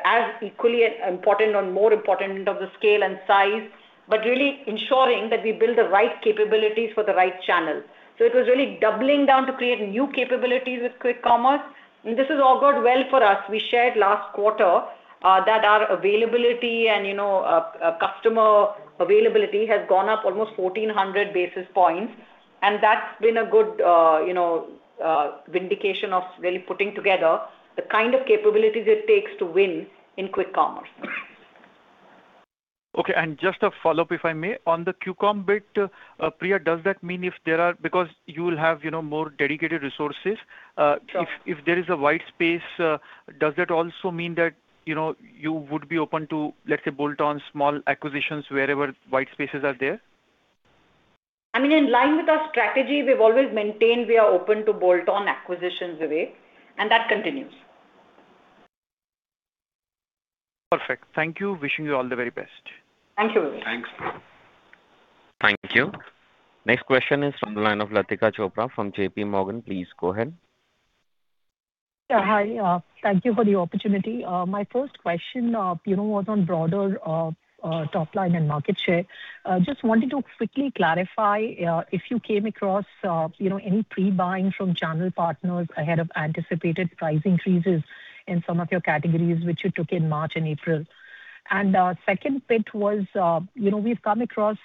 as equally important or more important in terms of scale and size, but really ensuring that we build the right capabilities for the right channel. It was really doubling down to create new capabilities with quick commerce. This has all gone well for us. We shared last quarter that our availability and, you know, customer availability has gone up almost 1,400 basis points. That's been a good, you know, vindication of really putting together the kind of capabilities it takes to win in quick commerce. Okay. Just a follow-up, if I may. On the q-com bit, Priya, does that mean because you will have, you know, more dedicated resources? Sure. If there is a wide space, does that also mean that, you know, you would be open to, let's say, bolt-on small acquisitions wherever wide spaces are there? I mean, in line with our strategy, we've always maintained we are open to bolt-on acquisitions, Vivek, and that continues. Perfect. Thank you. Wishing you all the very best. Thank you. Thanks. Thank you. Next question is from the line of Latika Chopra from JPMorgan. Please go ahead. Yeah, hi. Thank you for the opportunity. My first question, you know, was on broader top line and market share. Just wanted to quickly clarify, if you came across, you know, any pre-buying from channel partners ahead of anticipated price increases in some of your categories, which you took in March and April. Second bit was, you know, we've come across,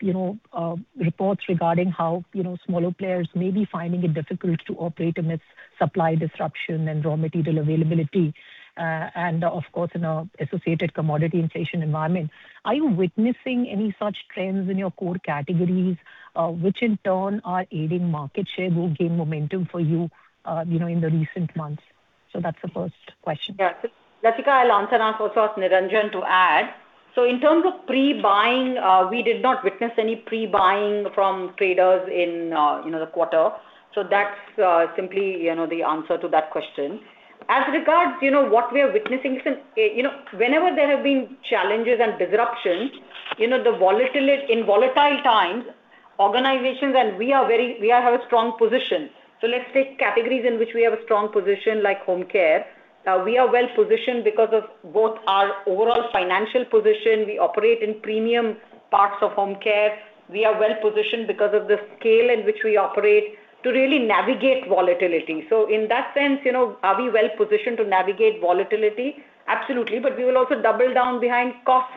you know, reports regarding how, you know, smaller players may be finding it difficult to operate amidst supply disruption and raw material availability, and of course, in an associated commodity inflation environment. Are you witnessing any such trends in your core categories, which in turn are aiding market share will gain momentum for you know, in the recent months? That's the first question. Latika, I'll answer and ask also Niranjan to add. In terms of pre-buying, we did not witness any pre-buying from traders in, you know, the quarter. That's simply, you know, the answer to that question. As regards, you know, what we are witnessing, listen, you know, whenever there have been challenges and disruptions, you know, in volatile times, organizations and we have a strong position. Let's take categories in which we have a strong position like Home Care. We are well-positioned because of both our overall financial position. We operate in premium parts of Home Care. We are well-positioned because of the scale in which we operate to really navigate volatility. In that sense, you know, are we well-positioned to navigate volatility? Absolutely. We will also double down behind costs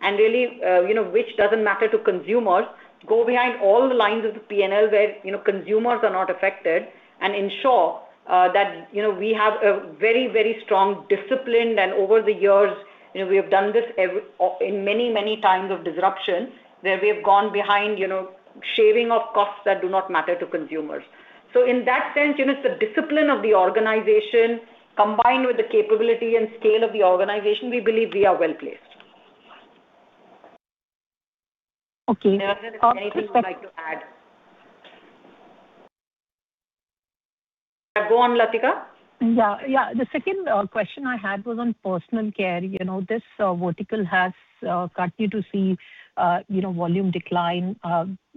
and really, you know, which doesn't matter to consumers, go behind all the lines of the P&L where, you know, consumers are not affected and ensure that, you know, we have a very, very strong discipline. Over the years, you know, we have done this in many, many times of disruption, where we have gone behind, you know, shaving of costs that do not matter to consumers. In that sense, you know, it's the discipline of the organization combined with the capability and scale of the organization, we believe we are well-placed. Okay. Niranjan, is there anything you'd like to add? Go on, Latika. Yeah. Yeah. The second question I had was on Personal Care. You know, this vertical has continued to see, you know, volume decline.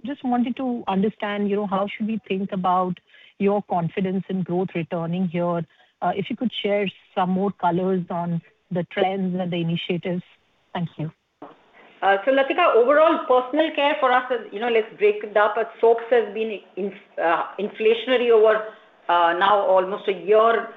Just wanted to understand, you know, how should we think about your confidence in growth returning here? If you could share some more colors on the trends and the initiatives. Thank you. Latika, overall Personal Care for us is, you know, let's break it up. Soaps has been in inflationary over now almost a year.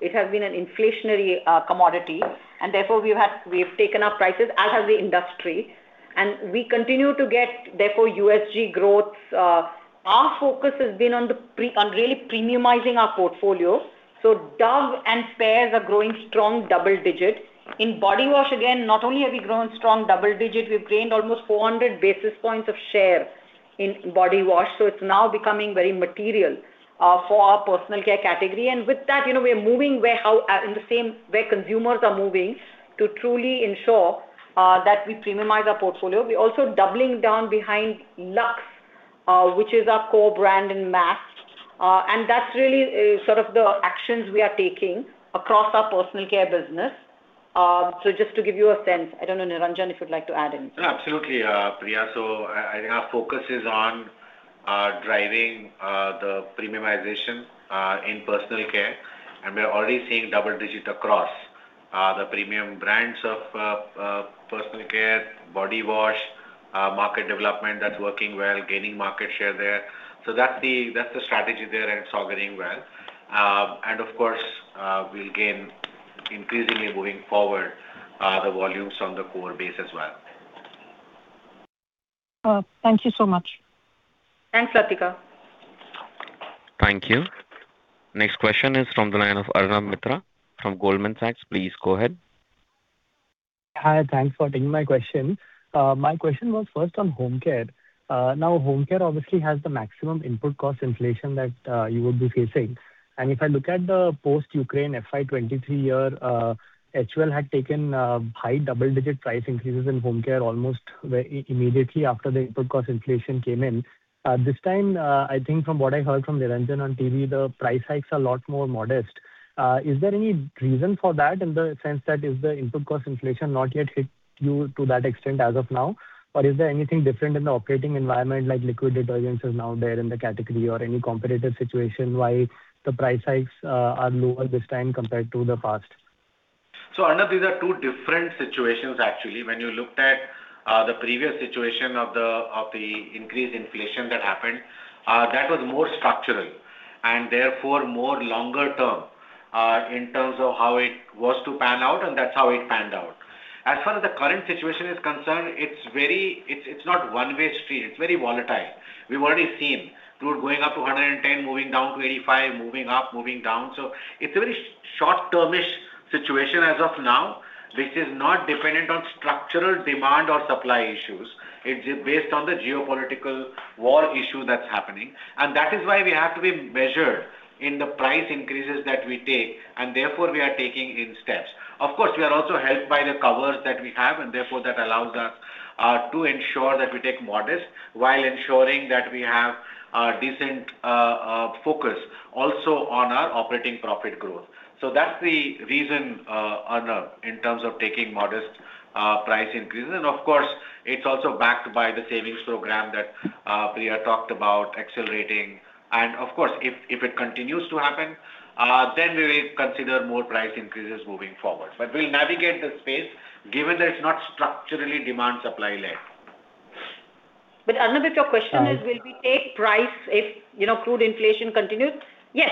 It has been an inflationary commodity, and therefore we've taken up prices as has the industry, and we continue to get therefore USG growth. Our focus has been on really premiumizing our portfolio. Dove and Pears are growing strong double digits. In body wash, again, not only have we grown strong double digits, we've gained almost 400 basis points of share in body wash, so it's now becoming very material for our Personal Care category. With that, you know, we are moving where, how, in the same way consumers are moving to truly ensure that we premiumize our portfolio. We're also doubling down behind Lux, which is our core brand in mass. That's really sort of the actions we are taking across our Personal Care business. Just to give you a sense. I don't know, Niranjan, if you'd like to add anything. Absolutely, Priya. I think our focus is on driving the premiumization in Personal Care, and we are already seeing double-digit across the premium brands of Personal Care, body wash, market development that's working well, gaining market share there. That's the strategy there, and it's all getting well. Of course, we'll gain increasingly moving forward the volumes on the core base as well. Thank you so much. Thanks, Latika. Thank you. Next question is from the line of Arnab Mitra from Goldman Sachs. Please go ahead. Hi. Thanks for taking my question. My question was first on Home Care. Now Home Care obviously has the maximum input cost inflation that you would be facing. If I look at the post Ukraine FY 2023 year, HUL had taken high double-digit price increases in Home Care almost where immediately after the input cost inflation came in. This time, I think from what I heard from Niranjan on TV, the price hikes are a lot more modest. Is there any reason for that in the sense that if the input cost inflation not yet hit you to that extent as of now? Is there anything different in the operating environment like liquid detergents is now there in the category or any competitive situation why the price hikes are lower this time compared to the past? Arnab, these are two different situations actually. When you looked at the previous situation of the, of the increased inflation that happened, that was more structural and therefore more longer term in terms of how it was to pan out, and that's how it panned out. As far as the current situation is concerned, it's very, it's not one way street. It's very volatile. We've already seen crude going up to 110, moving down to 85, moving up, moving down. It's a very short-termish situation as of now, which is not dependent on structural demand or supply issues. It's based on the geopolitical war issue that's happening. That is why we have to be measured in the price increases that we take, and therefore we are taking in steps. We are also helped by the covers that we have, therefore that allowed us to ensure that we take modest, while ensuring that we have a decent focus also on our operating profit growth. That's the reason in terms of taking modest price increases. Of course, it's also backed by the savings program that Priya talked about accelerating. Of course, if it continues to happen, then we will consider more price increases moving forward. We'll navigate the space given that it's not structurally demand-supply led. Arnab, if your question is will we take price if, you know, crude inflation continues? Yes.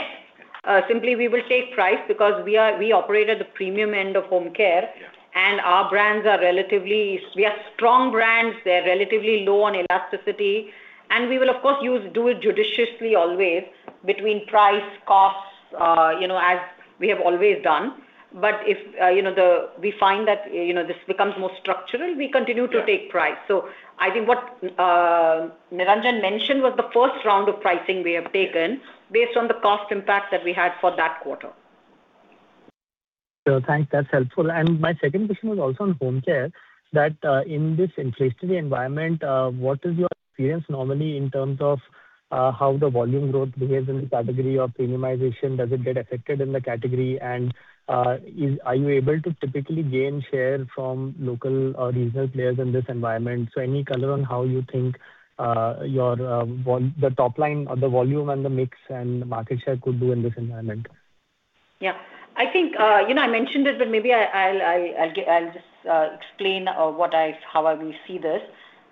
Simply we will take price because we operate at the premium end of Home Care. Yeah. Our brands are relatively, we are strong brands. They're relatively low on elasticity. We will of course do it judiciously always between price, costs, you know, as we have always done. If, you know, we find that, you know, this becomes more structural, we continue to take price. Yeah. I think what Niranjan mentioned was the first round of pricing we have taken. Yeah. Based on the cost impact that we had for that quarter. Sure. Thanks. That's helpful. My second question was also on Home Care, that, in this inflationary environment, what is your experience normally in terms of how the volume growth behaves in the category of premiumization? Does it get affected in the category? Are you able to typically gain share from local or regional players in this environment? Any color on how you think, your, the top line or the volume and the mix and market share could do in this environment? I think, you know, I mentioned it, but maybe I'll just explain how we see this.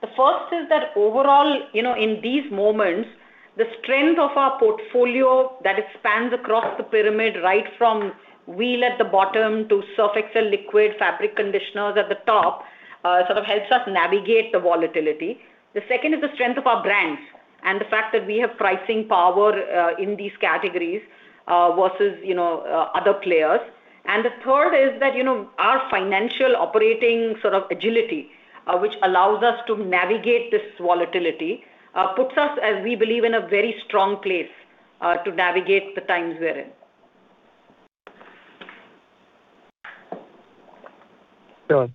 The first is that overall, you know, in these moments, the strength of our portfolio that expands across the pyramid, right from Wheel at the bottom to Surf Excel liquid fabric conditioners at the top, sort of helps us navigate the volatility. The second is the strength of our brands and the fact that we have pricing power in these categories versus, you know, other players. The third is that, you know, our financial operating sort of agility, which allows us to navigate this volatility, puts us, as we believe, in a very strong place to navigate the times we're in. Sure.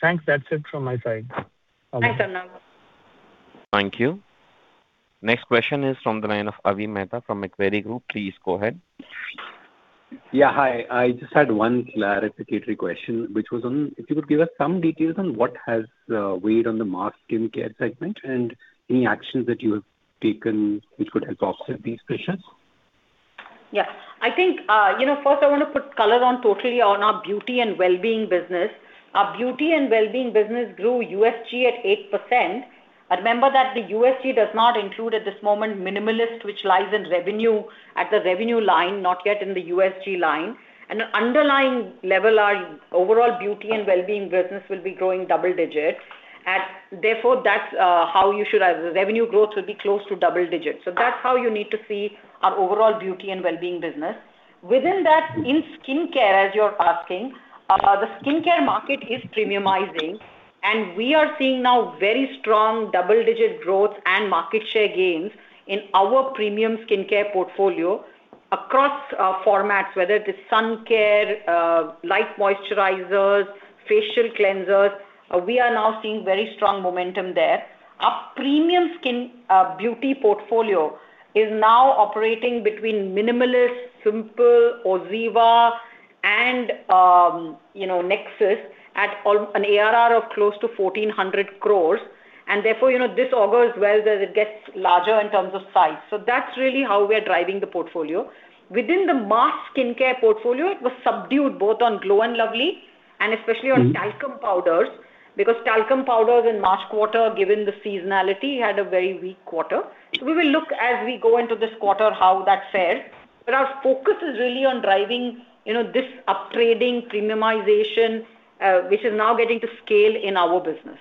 Thanks. That's it from my side. Thanks, Arnab. Thank you. Next question is from the line of Avi Mehta from Macquarie Group. Please go ahead. Yeah, hi. I just had one clarity question, which was on if you could give us some details on what has weighed on the mass Skin Care segment and any actions that you have taken which could help offset these pressures. Yeah. I think, you know, first I wanna put color on totally on our Beauty and Wellbeing business. Our Beauty and Wellbeing business grew USG at 8%. Remember that the USG does not include at this moment Minimalist, which lies in revenue, at the revenue line, not yet in the USG line. Underlying level, our overall Beauty and Wellbeing business will be growing double digits. Therefore, the revenue growth will be close to double digits. That's how you need to see our overall Beauty and Wellbeing business. Within that, in Skin Care, as you're asking, the Skin Care market is premiumizing, and we are seeing now very strong double-digit growth and market share gains in our premium Skin Care portfolio across our formats, whether it is sun care, light moisturizers, facial cleansers. We are now seeing very strong momentum there. Our premium skin Beauty portfolio is now operating between Minimalist, Simple, OZiva, and, you know, Nexxus at an ARR of close to 1,400 crore. Therefore, you know, this augurs well as it gets larger in terms of size. That's really how we are driving the portfolio. Within the mass Skin Care portfolio, it was subdued both on Glow & Lovely and especially on- Mm-hmm. talcum powders, because talcum powders in March quarter, given the seasonality, had a very weak quarter. We will look as we go into this quarter how that fares. Our focus is really on driving, you know, this up trading premiumization, which is now getting to scale in our business.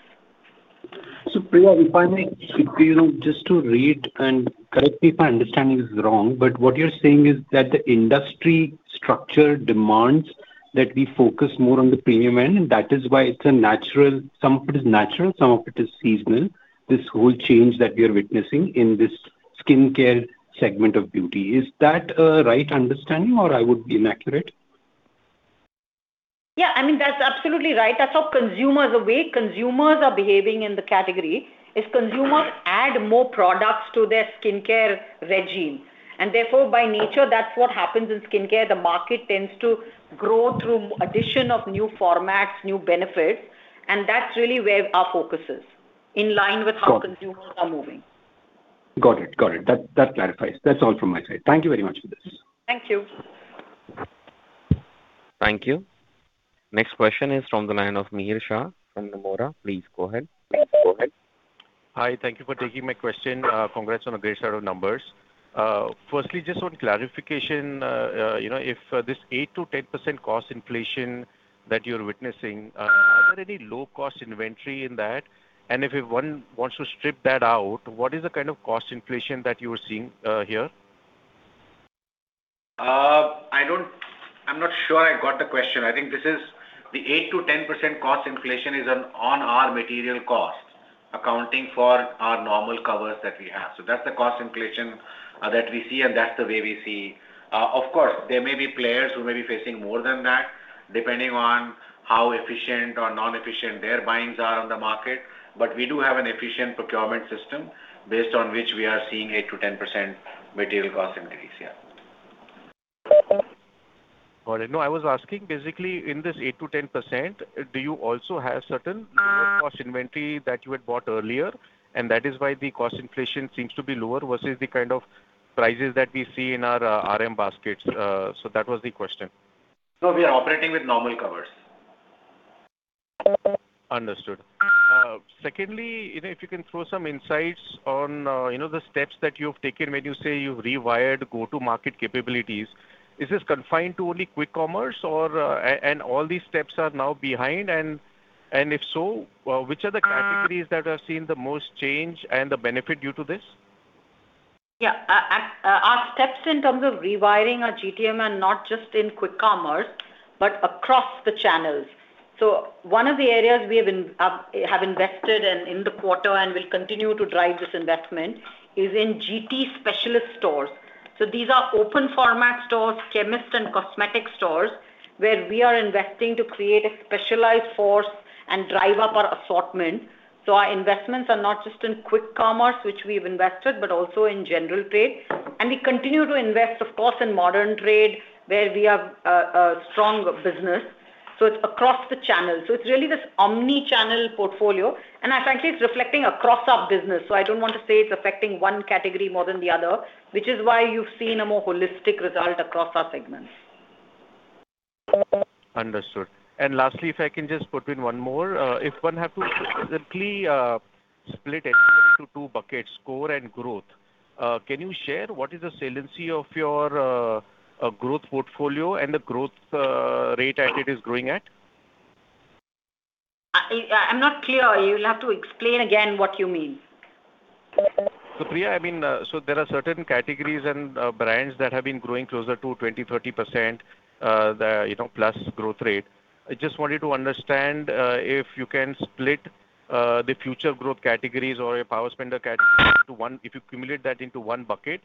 Priya, if I may chip in on, just to read and correct me if my understanding is wrong, but what you're saying is that the industry structure demands that we focus more on the premium end, and that is why some of it is natural, some of it is seasonal, this whole change that we are witnessing in this Skin Care segment of Beauty. Is that a right understanding or I would be inaccurate? Yeah, I mean, that's absolutely right. The way consumers are behaving in the category is consumers add more products to their skin care regime. Therefore, by nature, that's what happens in Skin Care. The market tends to grow through addition of new formats, new benefits, and that's really where our focus is, in line with. Got it. Consumers are moving. Got it. That clarifies. That's all from my side. Thank you very much for this. Thank you. Thank you. Next question is from the line of Mihir Shah from Nomura. Please go ahead. Go ahead. Hi. Thank you for taking my question. Congrats on a great set of numbers. Firstly, just on clarification, you know, if this 8%-10% cost inflation that you're witnessing, are there any low-cost inventory in that? And if one wants to strip that out, what is the kind of cost inflation that you're seeing here? I'm not sure I got the question. I think this is the 8% to 10% cost inflation is on our material costs. Accounting for our normal covers that we have. That's the cost inflation that we see, and that's the way we see. Of course, there may be players who may be facing more than that depending on how efficient or non-efficient their buyings are on the market, but we do have an efficient procurement system based on which we are seeing 8% to 10% material cost increase. Yeah. Got it. No, I was asking basically in this 8%-10%, do you also have certain cost inventory that you had bought earlier, and that is why the cost inflation seems to be lower versus the kind of prices that we see in our RM baskets. That was the question. No, we are operating with normal covers. Understood. Secondly, you know, if you can throw some insights on, you know, the steps that you've taken when you say you rewired go-to-market capabilities. Is this confined to only quick commerce or and all these steps are now behind and if so, which are the categories that have seen the most change and the benefit due to this? Yeah. Our steps in terms of rewiring our GTM are not just in quick commerce, but across the channels. One of the areas we have invested in the quarter and will continue to drive this investment is in GT specialist stores. These are open format stores, chemist and cosmetic stores, where we are investing to create a specialized force and drive up our assortment. Our investments are not just in quick commerce, which we've invested, but also in general trade. We continue to invest, of course, in modern trade, where we have a strong business. It's across the channel. It's really this omni-channel portfolio, and frankly, it's reflecting across our business. I don't want to say it's affecting one category more than the other, which is why you've seen a more holistic result across our segments. Understood. Lastly, if I can just put in one more. If one had to simply split it into two buckets, core and growth, can you share what is the saliency of your growth portfolio and the growth rate that it is growing at? I'm not clear. You'll have to explain again what you mean. Priya, I mean, there are certain categories and brands that have been growing closer to 20%, 30%, you know, plus growth rate. I just wanted to understand, if you can split, the future growth categories or a power spender. If you cumulate that into one bucket,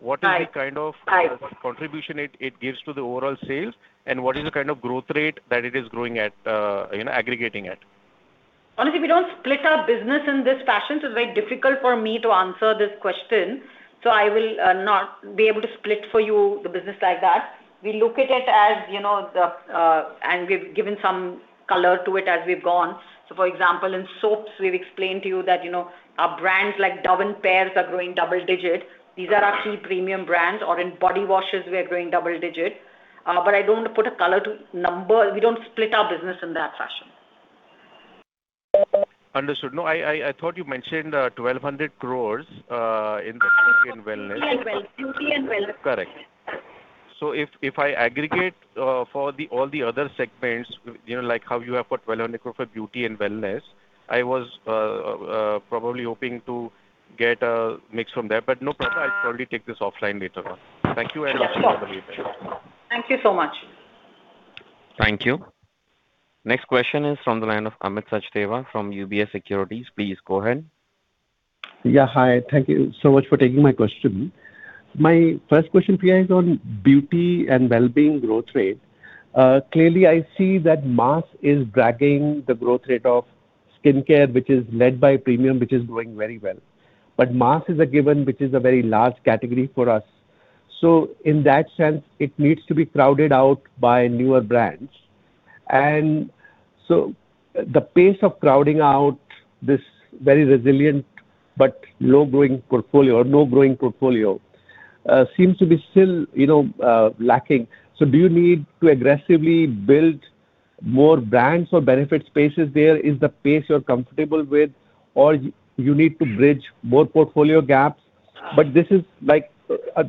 what is the kind of- Right. Right.... contribution it gives to the overall sales, and what is the kind of growth rate that it is growing at, you know, aggregating at? Honestly, we don't split our business in this fashion, so it's very difficult for me to answer this question. I will not be able to split for you the business like that. We look at it as, you know, the, and we've given some color to it as we've gone. For example, in soaps, we've explained to you that, you know, our brands like Dove and Pears are growing double digit. These are our key premium brands. In body washes, we are growing double digit. I don't want to put a color to number. We don't split our business in that fashion. Understood. No, I thought you mentioned, 1,200 crore in Wellness. Beauty and Wellness. Beauty and Wellness. Correct. If I aggregate for all the other segments, you know, like how you have put INR 1,200 crore for Beauty and Wellness, I was probably hoping to get a mix from there. No problem. I'll probably take this offline later on. Thank you, and have a good day. Thank you so much. Thank you. Next question is from the line of Amit Sachdeva from UBS Securities. Please go ahead. Yeah. Hi. Thank you so much for taking my question. My first question, Priya, is on Beauty and Wellbeing growth rate. Clearly, I see that mass is dragging the growth rate of Skin Care, which is led by premium, which is growing very well. Mass is a given, which is a very large category for us. So in that sense, it needs to be crowded out by newer brands. So the pace of crowding out this very resilient but low-growing portfolio or no-growing portfolio, seems to be still, you know, lacking. So do you need to aggressively build more brands or benefit spaces there? Is the pace you're comfortable with or you need to bridge more portfolio gaps? This is like,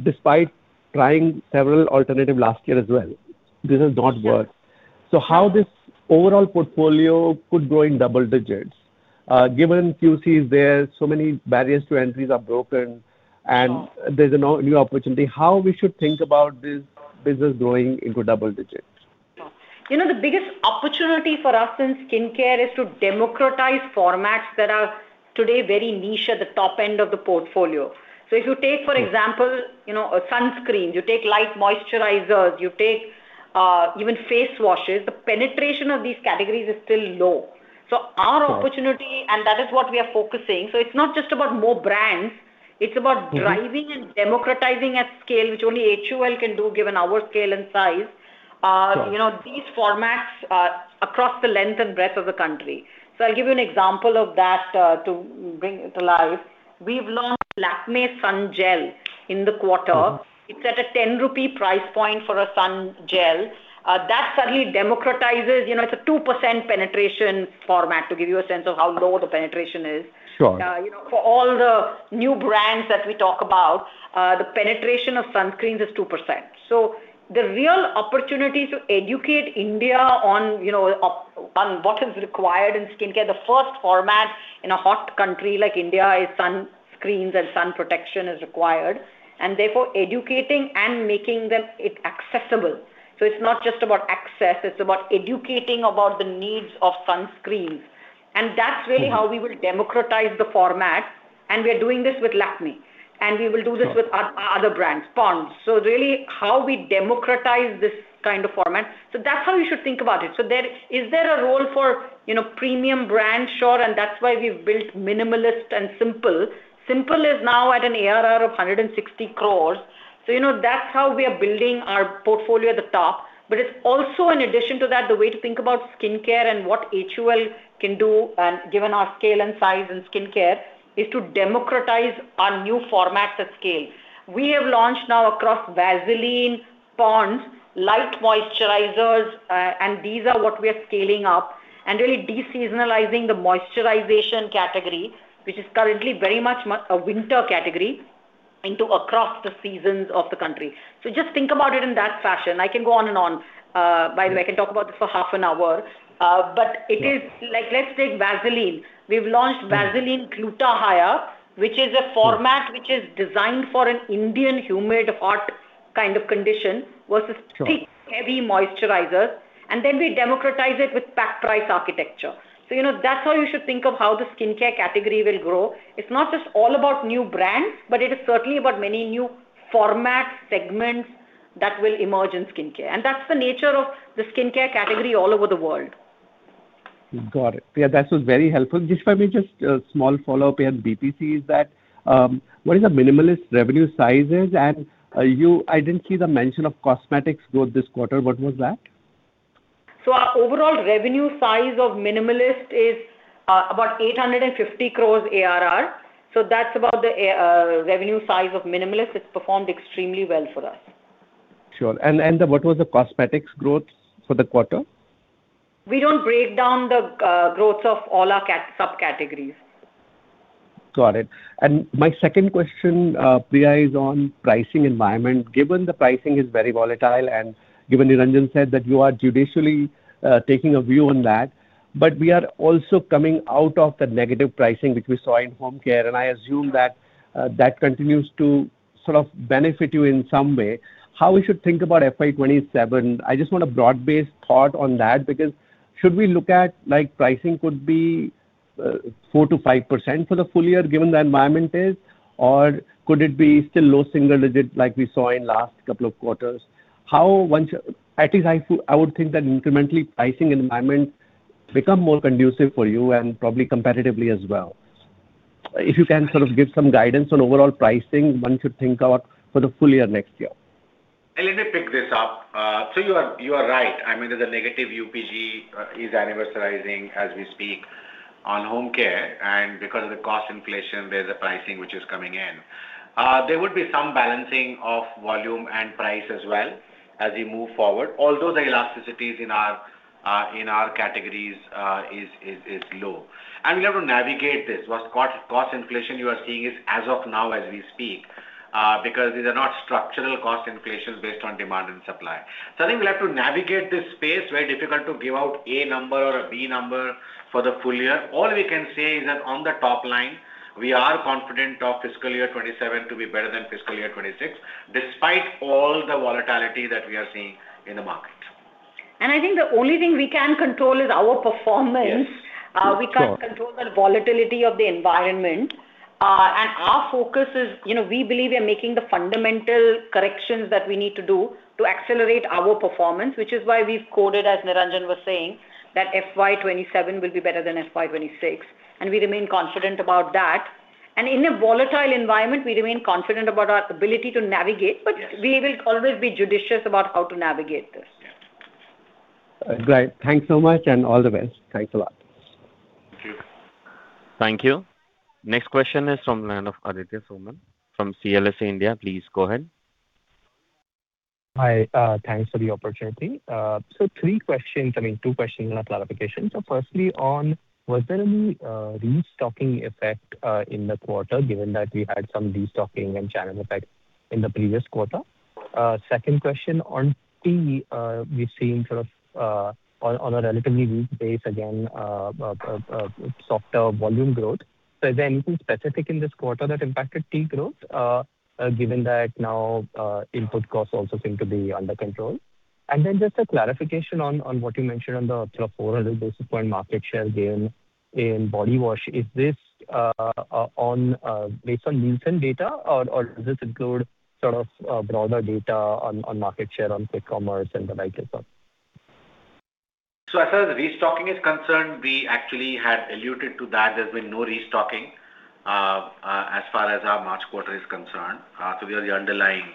despite trying several alternative last year as well, this has not worked. How this overall portfolio could grow in double digits, given QCs there, so many barriers to entry are broken and there is a new opportunity. How we should think about this business growing into double digits? You know, the biggest opportunity for us in Skin Care is to democratize formats that are today very niche at the top end of the portfolio. If you take, for example, you know, a sunscreen, you take light moisturizers, you take even face washes, the penetration of these categories is still low. Our opportunity, and that is what we are focusing. It's not just about more brands, it's about driving and democratizing at scale, which only HUL can do given our scale and size. You know, these formats are across the length and breadth of the country. I'll give you an example of that to bring it to life. We've launched Lakmé Sun Gel in the quarter. It's at a 10 rupee price point for a sun gel. That suddenly democratizes, you know. It's a 2% penetration format, to give you a sense of how low the penetration is. Sure. you know, for all the new brands that we talk about, the penetration of sunscreens is 2%. The real opportunity to educate India on, you know, on what is required in Skin Care, the first format in a hot country like India is sunscreens and sun protection is required, and therefore educating and making them it accessible. It's not just about access, it's about educating about the needs of sunscreens. That's really how we will democratize the format, and we are doing this with Lakmé. We will do this. Sure.... with other brands, Pond's. Really how we democratize this kind of format. That's how you should think about it. Is there a role for, you know, premium brands? Sure. That's why we've built Minimalist and Simple. Simple is now at an ARR of 160 crore. You know, that's how we are building our portfolio at the top. It's also in addition to that, the way to think about Skin Care and what HUL can do, given our scale and size in Skin Care, is to democratize our new format at scale. We have launched now across Vaseline, Pond's, light moisturizers, and these are what we are scaling up and really de-seasonalizing the moisturization category, which is currently very much a winter category, into across the seasons of the country. Just think about it in that fashion. I can go on and on. By the way, I can talk about this for half an hour. Yeah. Like, let's take Vaseline. We've launched. Mm-hmm. Vaseline Gluta-Hya, which is a format which is designed for an Indian humid, hot kind of condition versus. Sure.... thick, heavy moisturizers, and then we democratize it with pack price architecture. You know, that's how you should think of how the Skin Care category will grow. It's not just all about new brands, but it is certainly about many new formats, segments that will emerge in skin care. That's the nature of the Skin Care category all over the world. Got it. Yeah, that was very helpful. Just if I may just a small follow-up here on BPC, is that, what is the Minimalist revenue sizes? I didn't see the mention of cosmetics growth this quarter. What was that? Our overall revenue size of Minimalist is about 850 crore ARR. That's about the revenue size of Minimalist. It's performed extremely well for us. Sure. What was the cosmetics growth for the quarter? We don't break down the growth of all our subcategories. Got it. My second question, Priya, is on pricing environment. Given the pricing is very volatile, and given Niranjan said that you are judiciously taking a view on that, but we are also coming out of the negative pricing, which we saw in Home Care, and I assume that continues to sort of benefit you in some way. How we should think about FY 2027, I just want a broad-based thought on that because should we look at, like, pricing could be 4%-5% for the full year given the environment is, or could it be still low single digit like we saw in last couple of quarters? How one should. At least I would think that incrementally pricing environment become more conducive for you and probably competitively as well. If you can sort of give some guidance on overall pricing, one should think about for the full year next year. Let me pick this up. So you are, you are right. I mean, there's a negative UPG is anniversarizing as we speak on Home Care. Because of the cost inflation, there's a pricing which is coming in. There would be some balancing of volume and price as well as we move forward, although the elasticities in our in our categories is low. We have to navigate this. What cost inflation you are seeing is as of now as we speak, because these are not structural cost inflations based on demand and supply. I think we'll have to navigate this space. Very difficult to give out A number or a B number for the full year. All we can say is that on the top line, we are confident of fiscal year 2027 to be better than fiscal year 2026, despite all the volatility that we are seeing in the market. I think the only thing we can control is our performance. Yes. Sure. We can't control the volatility of the environment. Our focus is, you know, we believe we are making the fundamental corrections that we need to do to accelerate our performance, which is why we've quoted, as Niranjan was saying, that FY 2027 will be better than FY 2026, and we remain confident about that. In a volatile environment, we remain confident about our ability to navigate. Yes. We will always be judicious about how to navigate this. Yes. Great. Thanks so much and all the best. Thanks a lot. Thank you. Thank you. Next question is from line of Aditya Soman from CLSA India. Please go ahead. Hi. Thanks for the opportunity. Three questions. I mean, two questions and a clarification. Firstly on, was there any restocking effect in the quarter given that we had some restocking and channel effect in the previous quarter? Second question on tea, we've seen sort of on a relatively weak base again, softer volume growth. Is there anything specific in this quarter that impacted tea growth given that now input costs also seem to be under control? Just a clarification on what you mentioned on the sort of 400 basis point market share gain in body wash. Is this on, based on Nielsen data or does this include sort of, broader data on market share on quick commerce and the like as well? As far as the restocking is concerned, we actually had alluded to that. There's been no restocking as far as our March quarter is concerned. We have the underlying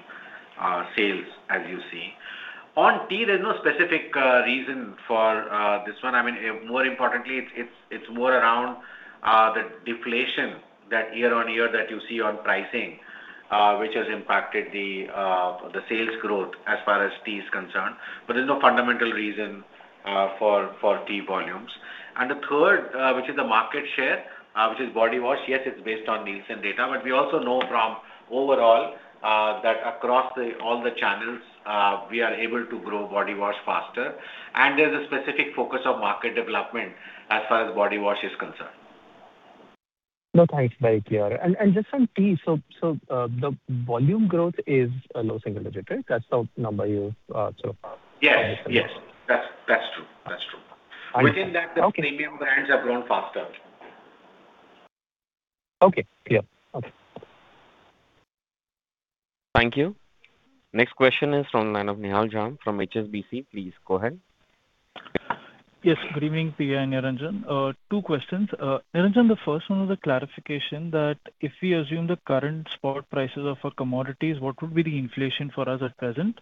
sales as you see. On tea, there's no specific reason for this one. I mean, more importantly, it's, it's more around the deflation that year-on-year that you see on pricing, which has impacted the sales growth as far as tea is concerned. There's no fundamental reason for tea volumes. The third, which is the market share, which is body wash, yes, it's based on Nielsen data. We also know from overall that across the, all the channels, we are able to grow body wash faster. There's a specific focus on market development as far as body wash is concerned. No, thanks. Very clear. Just on tea, so, the volume growth is a low single digit, right? That's the number you so far. Yes. Yes. That's true. That's true. I- Within that- Okay.... the premium brands have grown faster. Okay. Yeah. Okay. Thank you. Next question is from the line of Nihal Jham from HSBC. Please go ahead. Yes, good evening, Priya and Niranjan. two questions. Niranjan, the first one was a clarification that if we assume the current spot prices of our commodities, what would be the inflation for us at present?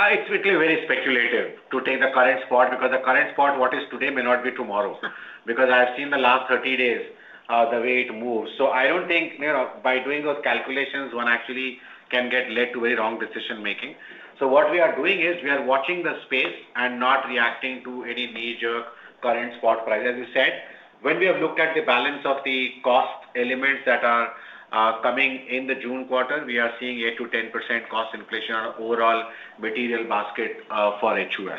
It's quickly very speculative to take the current spot because the current spot, what is today may not be tomorrow. I have seen the last 30 days, the way it moves. I don't think, you know, by doing those calculations, one actually can get led to a wrong decision-making. What we are doing is we are watching the space and not reacting to any major current spot price. As you said, when we have looked at the balance of the cost elements that are coming in the June quarter, we are seeing 8%-10% cost inflation on overall material basket for HUL.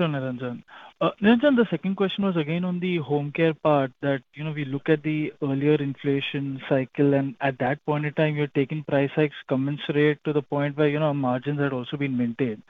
Sure, Niranjan. Niranjan, the second question was again on the Home Care part that, you know, we look at the earlier inflation cycle, and at that point in time, you're taking price hikes commensurate to the point where, you know, margins had also been maintained.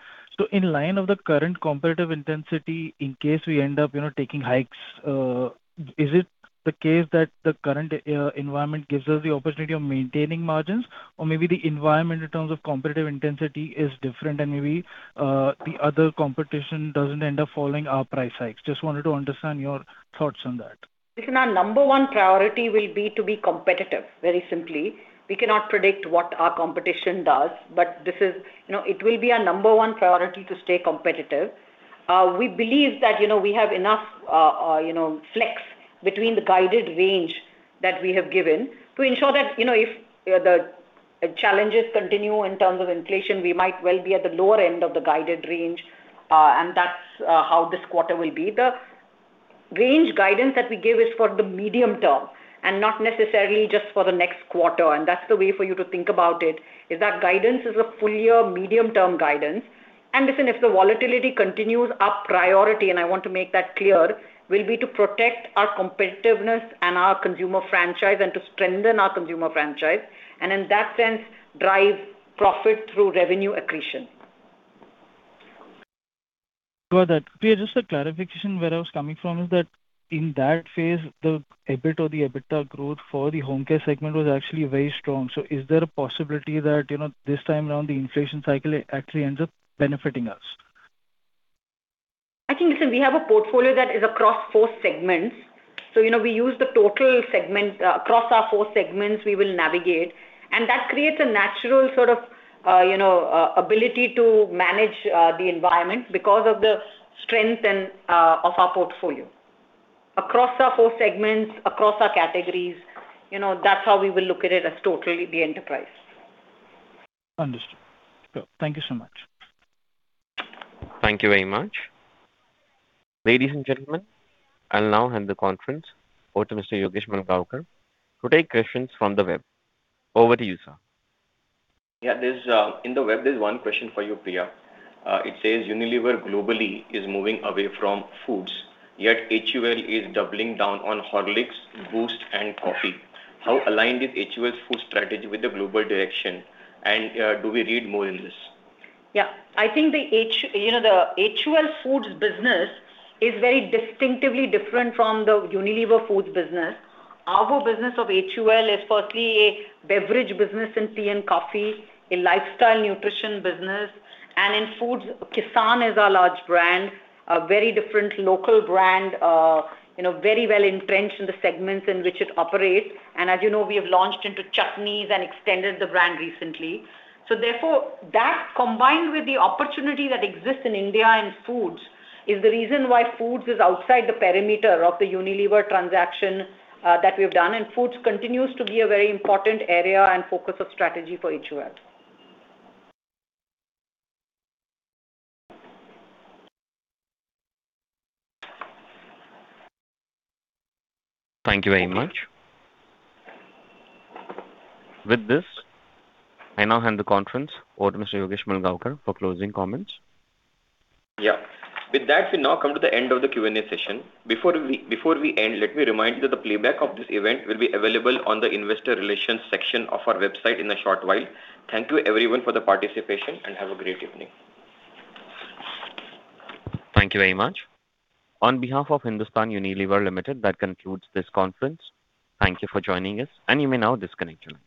In line of the current competitive intensity, in case we end up, you know, taking hikes, is it the case that the current environment gives us the opportunity of maintaining margins? Maybe the environment in terms of competitive intensity is different and maybe the other competition doesn't end up following our price hikes. Just wanted to understand your thoughts on that. Listen, our number one priority will be to be competitive, very simply. We cannot predict what our competition does. You know, it will be our number one priority to stay competitive. We believe that, you know, we have enough, you know, flex between the guided range that we have given to ensure that, you know, if the challenges continue in terms of inflation, we might well be at the lower end of the guided range, and that's how this quarter will be. The range guidance that we give is for the medium term and not necessarily just for the next quarter, and that's the way for you to think about it, is that guidance is a full year medium-term guidance. Listen, if the volatility continues, our priority, and I want to make that clear, will be to protect our competitiveness and our consumer franchise and to strengthen our consumer franchise, and in that sense, drive profit through revenue accretion. About that, Priya, just a clarification where I was coming from is that in that phase, the EBIT or the EBITDA growth for the Home Care segment was actually very strong. Is there a possibility that, you know, this time around the inflation cycle actually ends up benefiting us? I think, listen, we have a portfolio that is across four segments. You know, across our four segments, we will navigate. That creates a natural sort of, you know, ability to manage the environment because of the strength and of our portfolio. Across our four segments, across our categories, you know, that's how we will look at it as totally the enterprise. Understood. Cool. Thank you so much. Thank you very much. Ladies and gentlemen, I'll now hand the conference over to Mr. Yogesh Mulgaonkar to take questions from the web. Over to you, sir. There's one question for you, Priya. It says Unilever globally is moving away from foods, yet HUL is doubling down on Horlicks, Boost, and coffee. How aligned is HUL's food strategy with the global direction? Do we read more in this? Yeah. I think the, you know, the HUL Foods business is very distinctively different from the Unilever Foods business. Our business of HUL is firstly a Beverage business in tea and coffee, a Lifestyle Nutrition business, and in Foods, Kissan is our large brand, a very different local brand, you know, very well entrenched in the segments in which it operates. As you know, we have launched into chutneys and extended the brand recently. Therefore, that combined with the opportunity that exists in India in Foods is the reason why Foods is outside the perimeter of the Unilever transaction that we've done, and Foods continues to be a very important area and focus of strategy for HUL. Thank you very much. With this, I now hand the conference over to Mr. Yogesh Mulgaonkar for closing comments. Yeah. With that, we now come to the end of the Q&A session. Before we end, let me remind you that the playback of this event will be available on the investor relations section of our website in a short while. Thank you everyone for the participation, and have a great evening. Thank you very much. On behalf of Hindustan Unilever Limited, that concludes this conference. Thank you for joining us, and you may now disconnect your lines.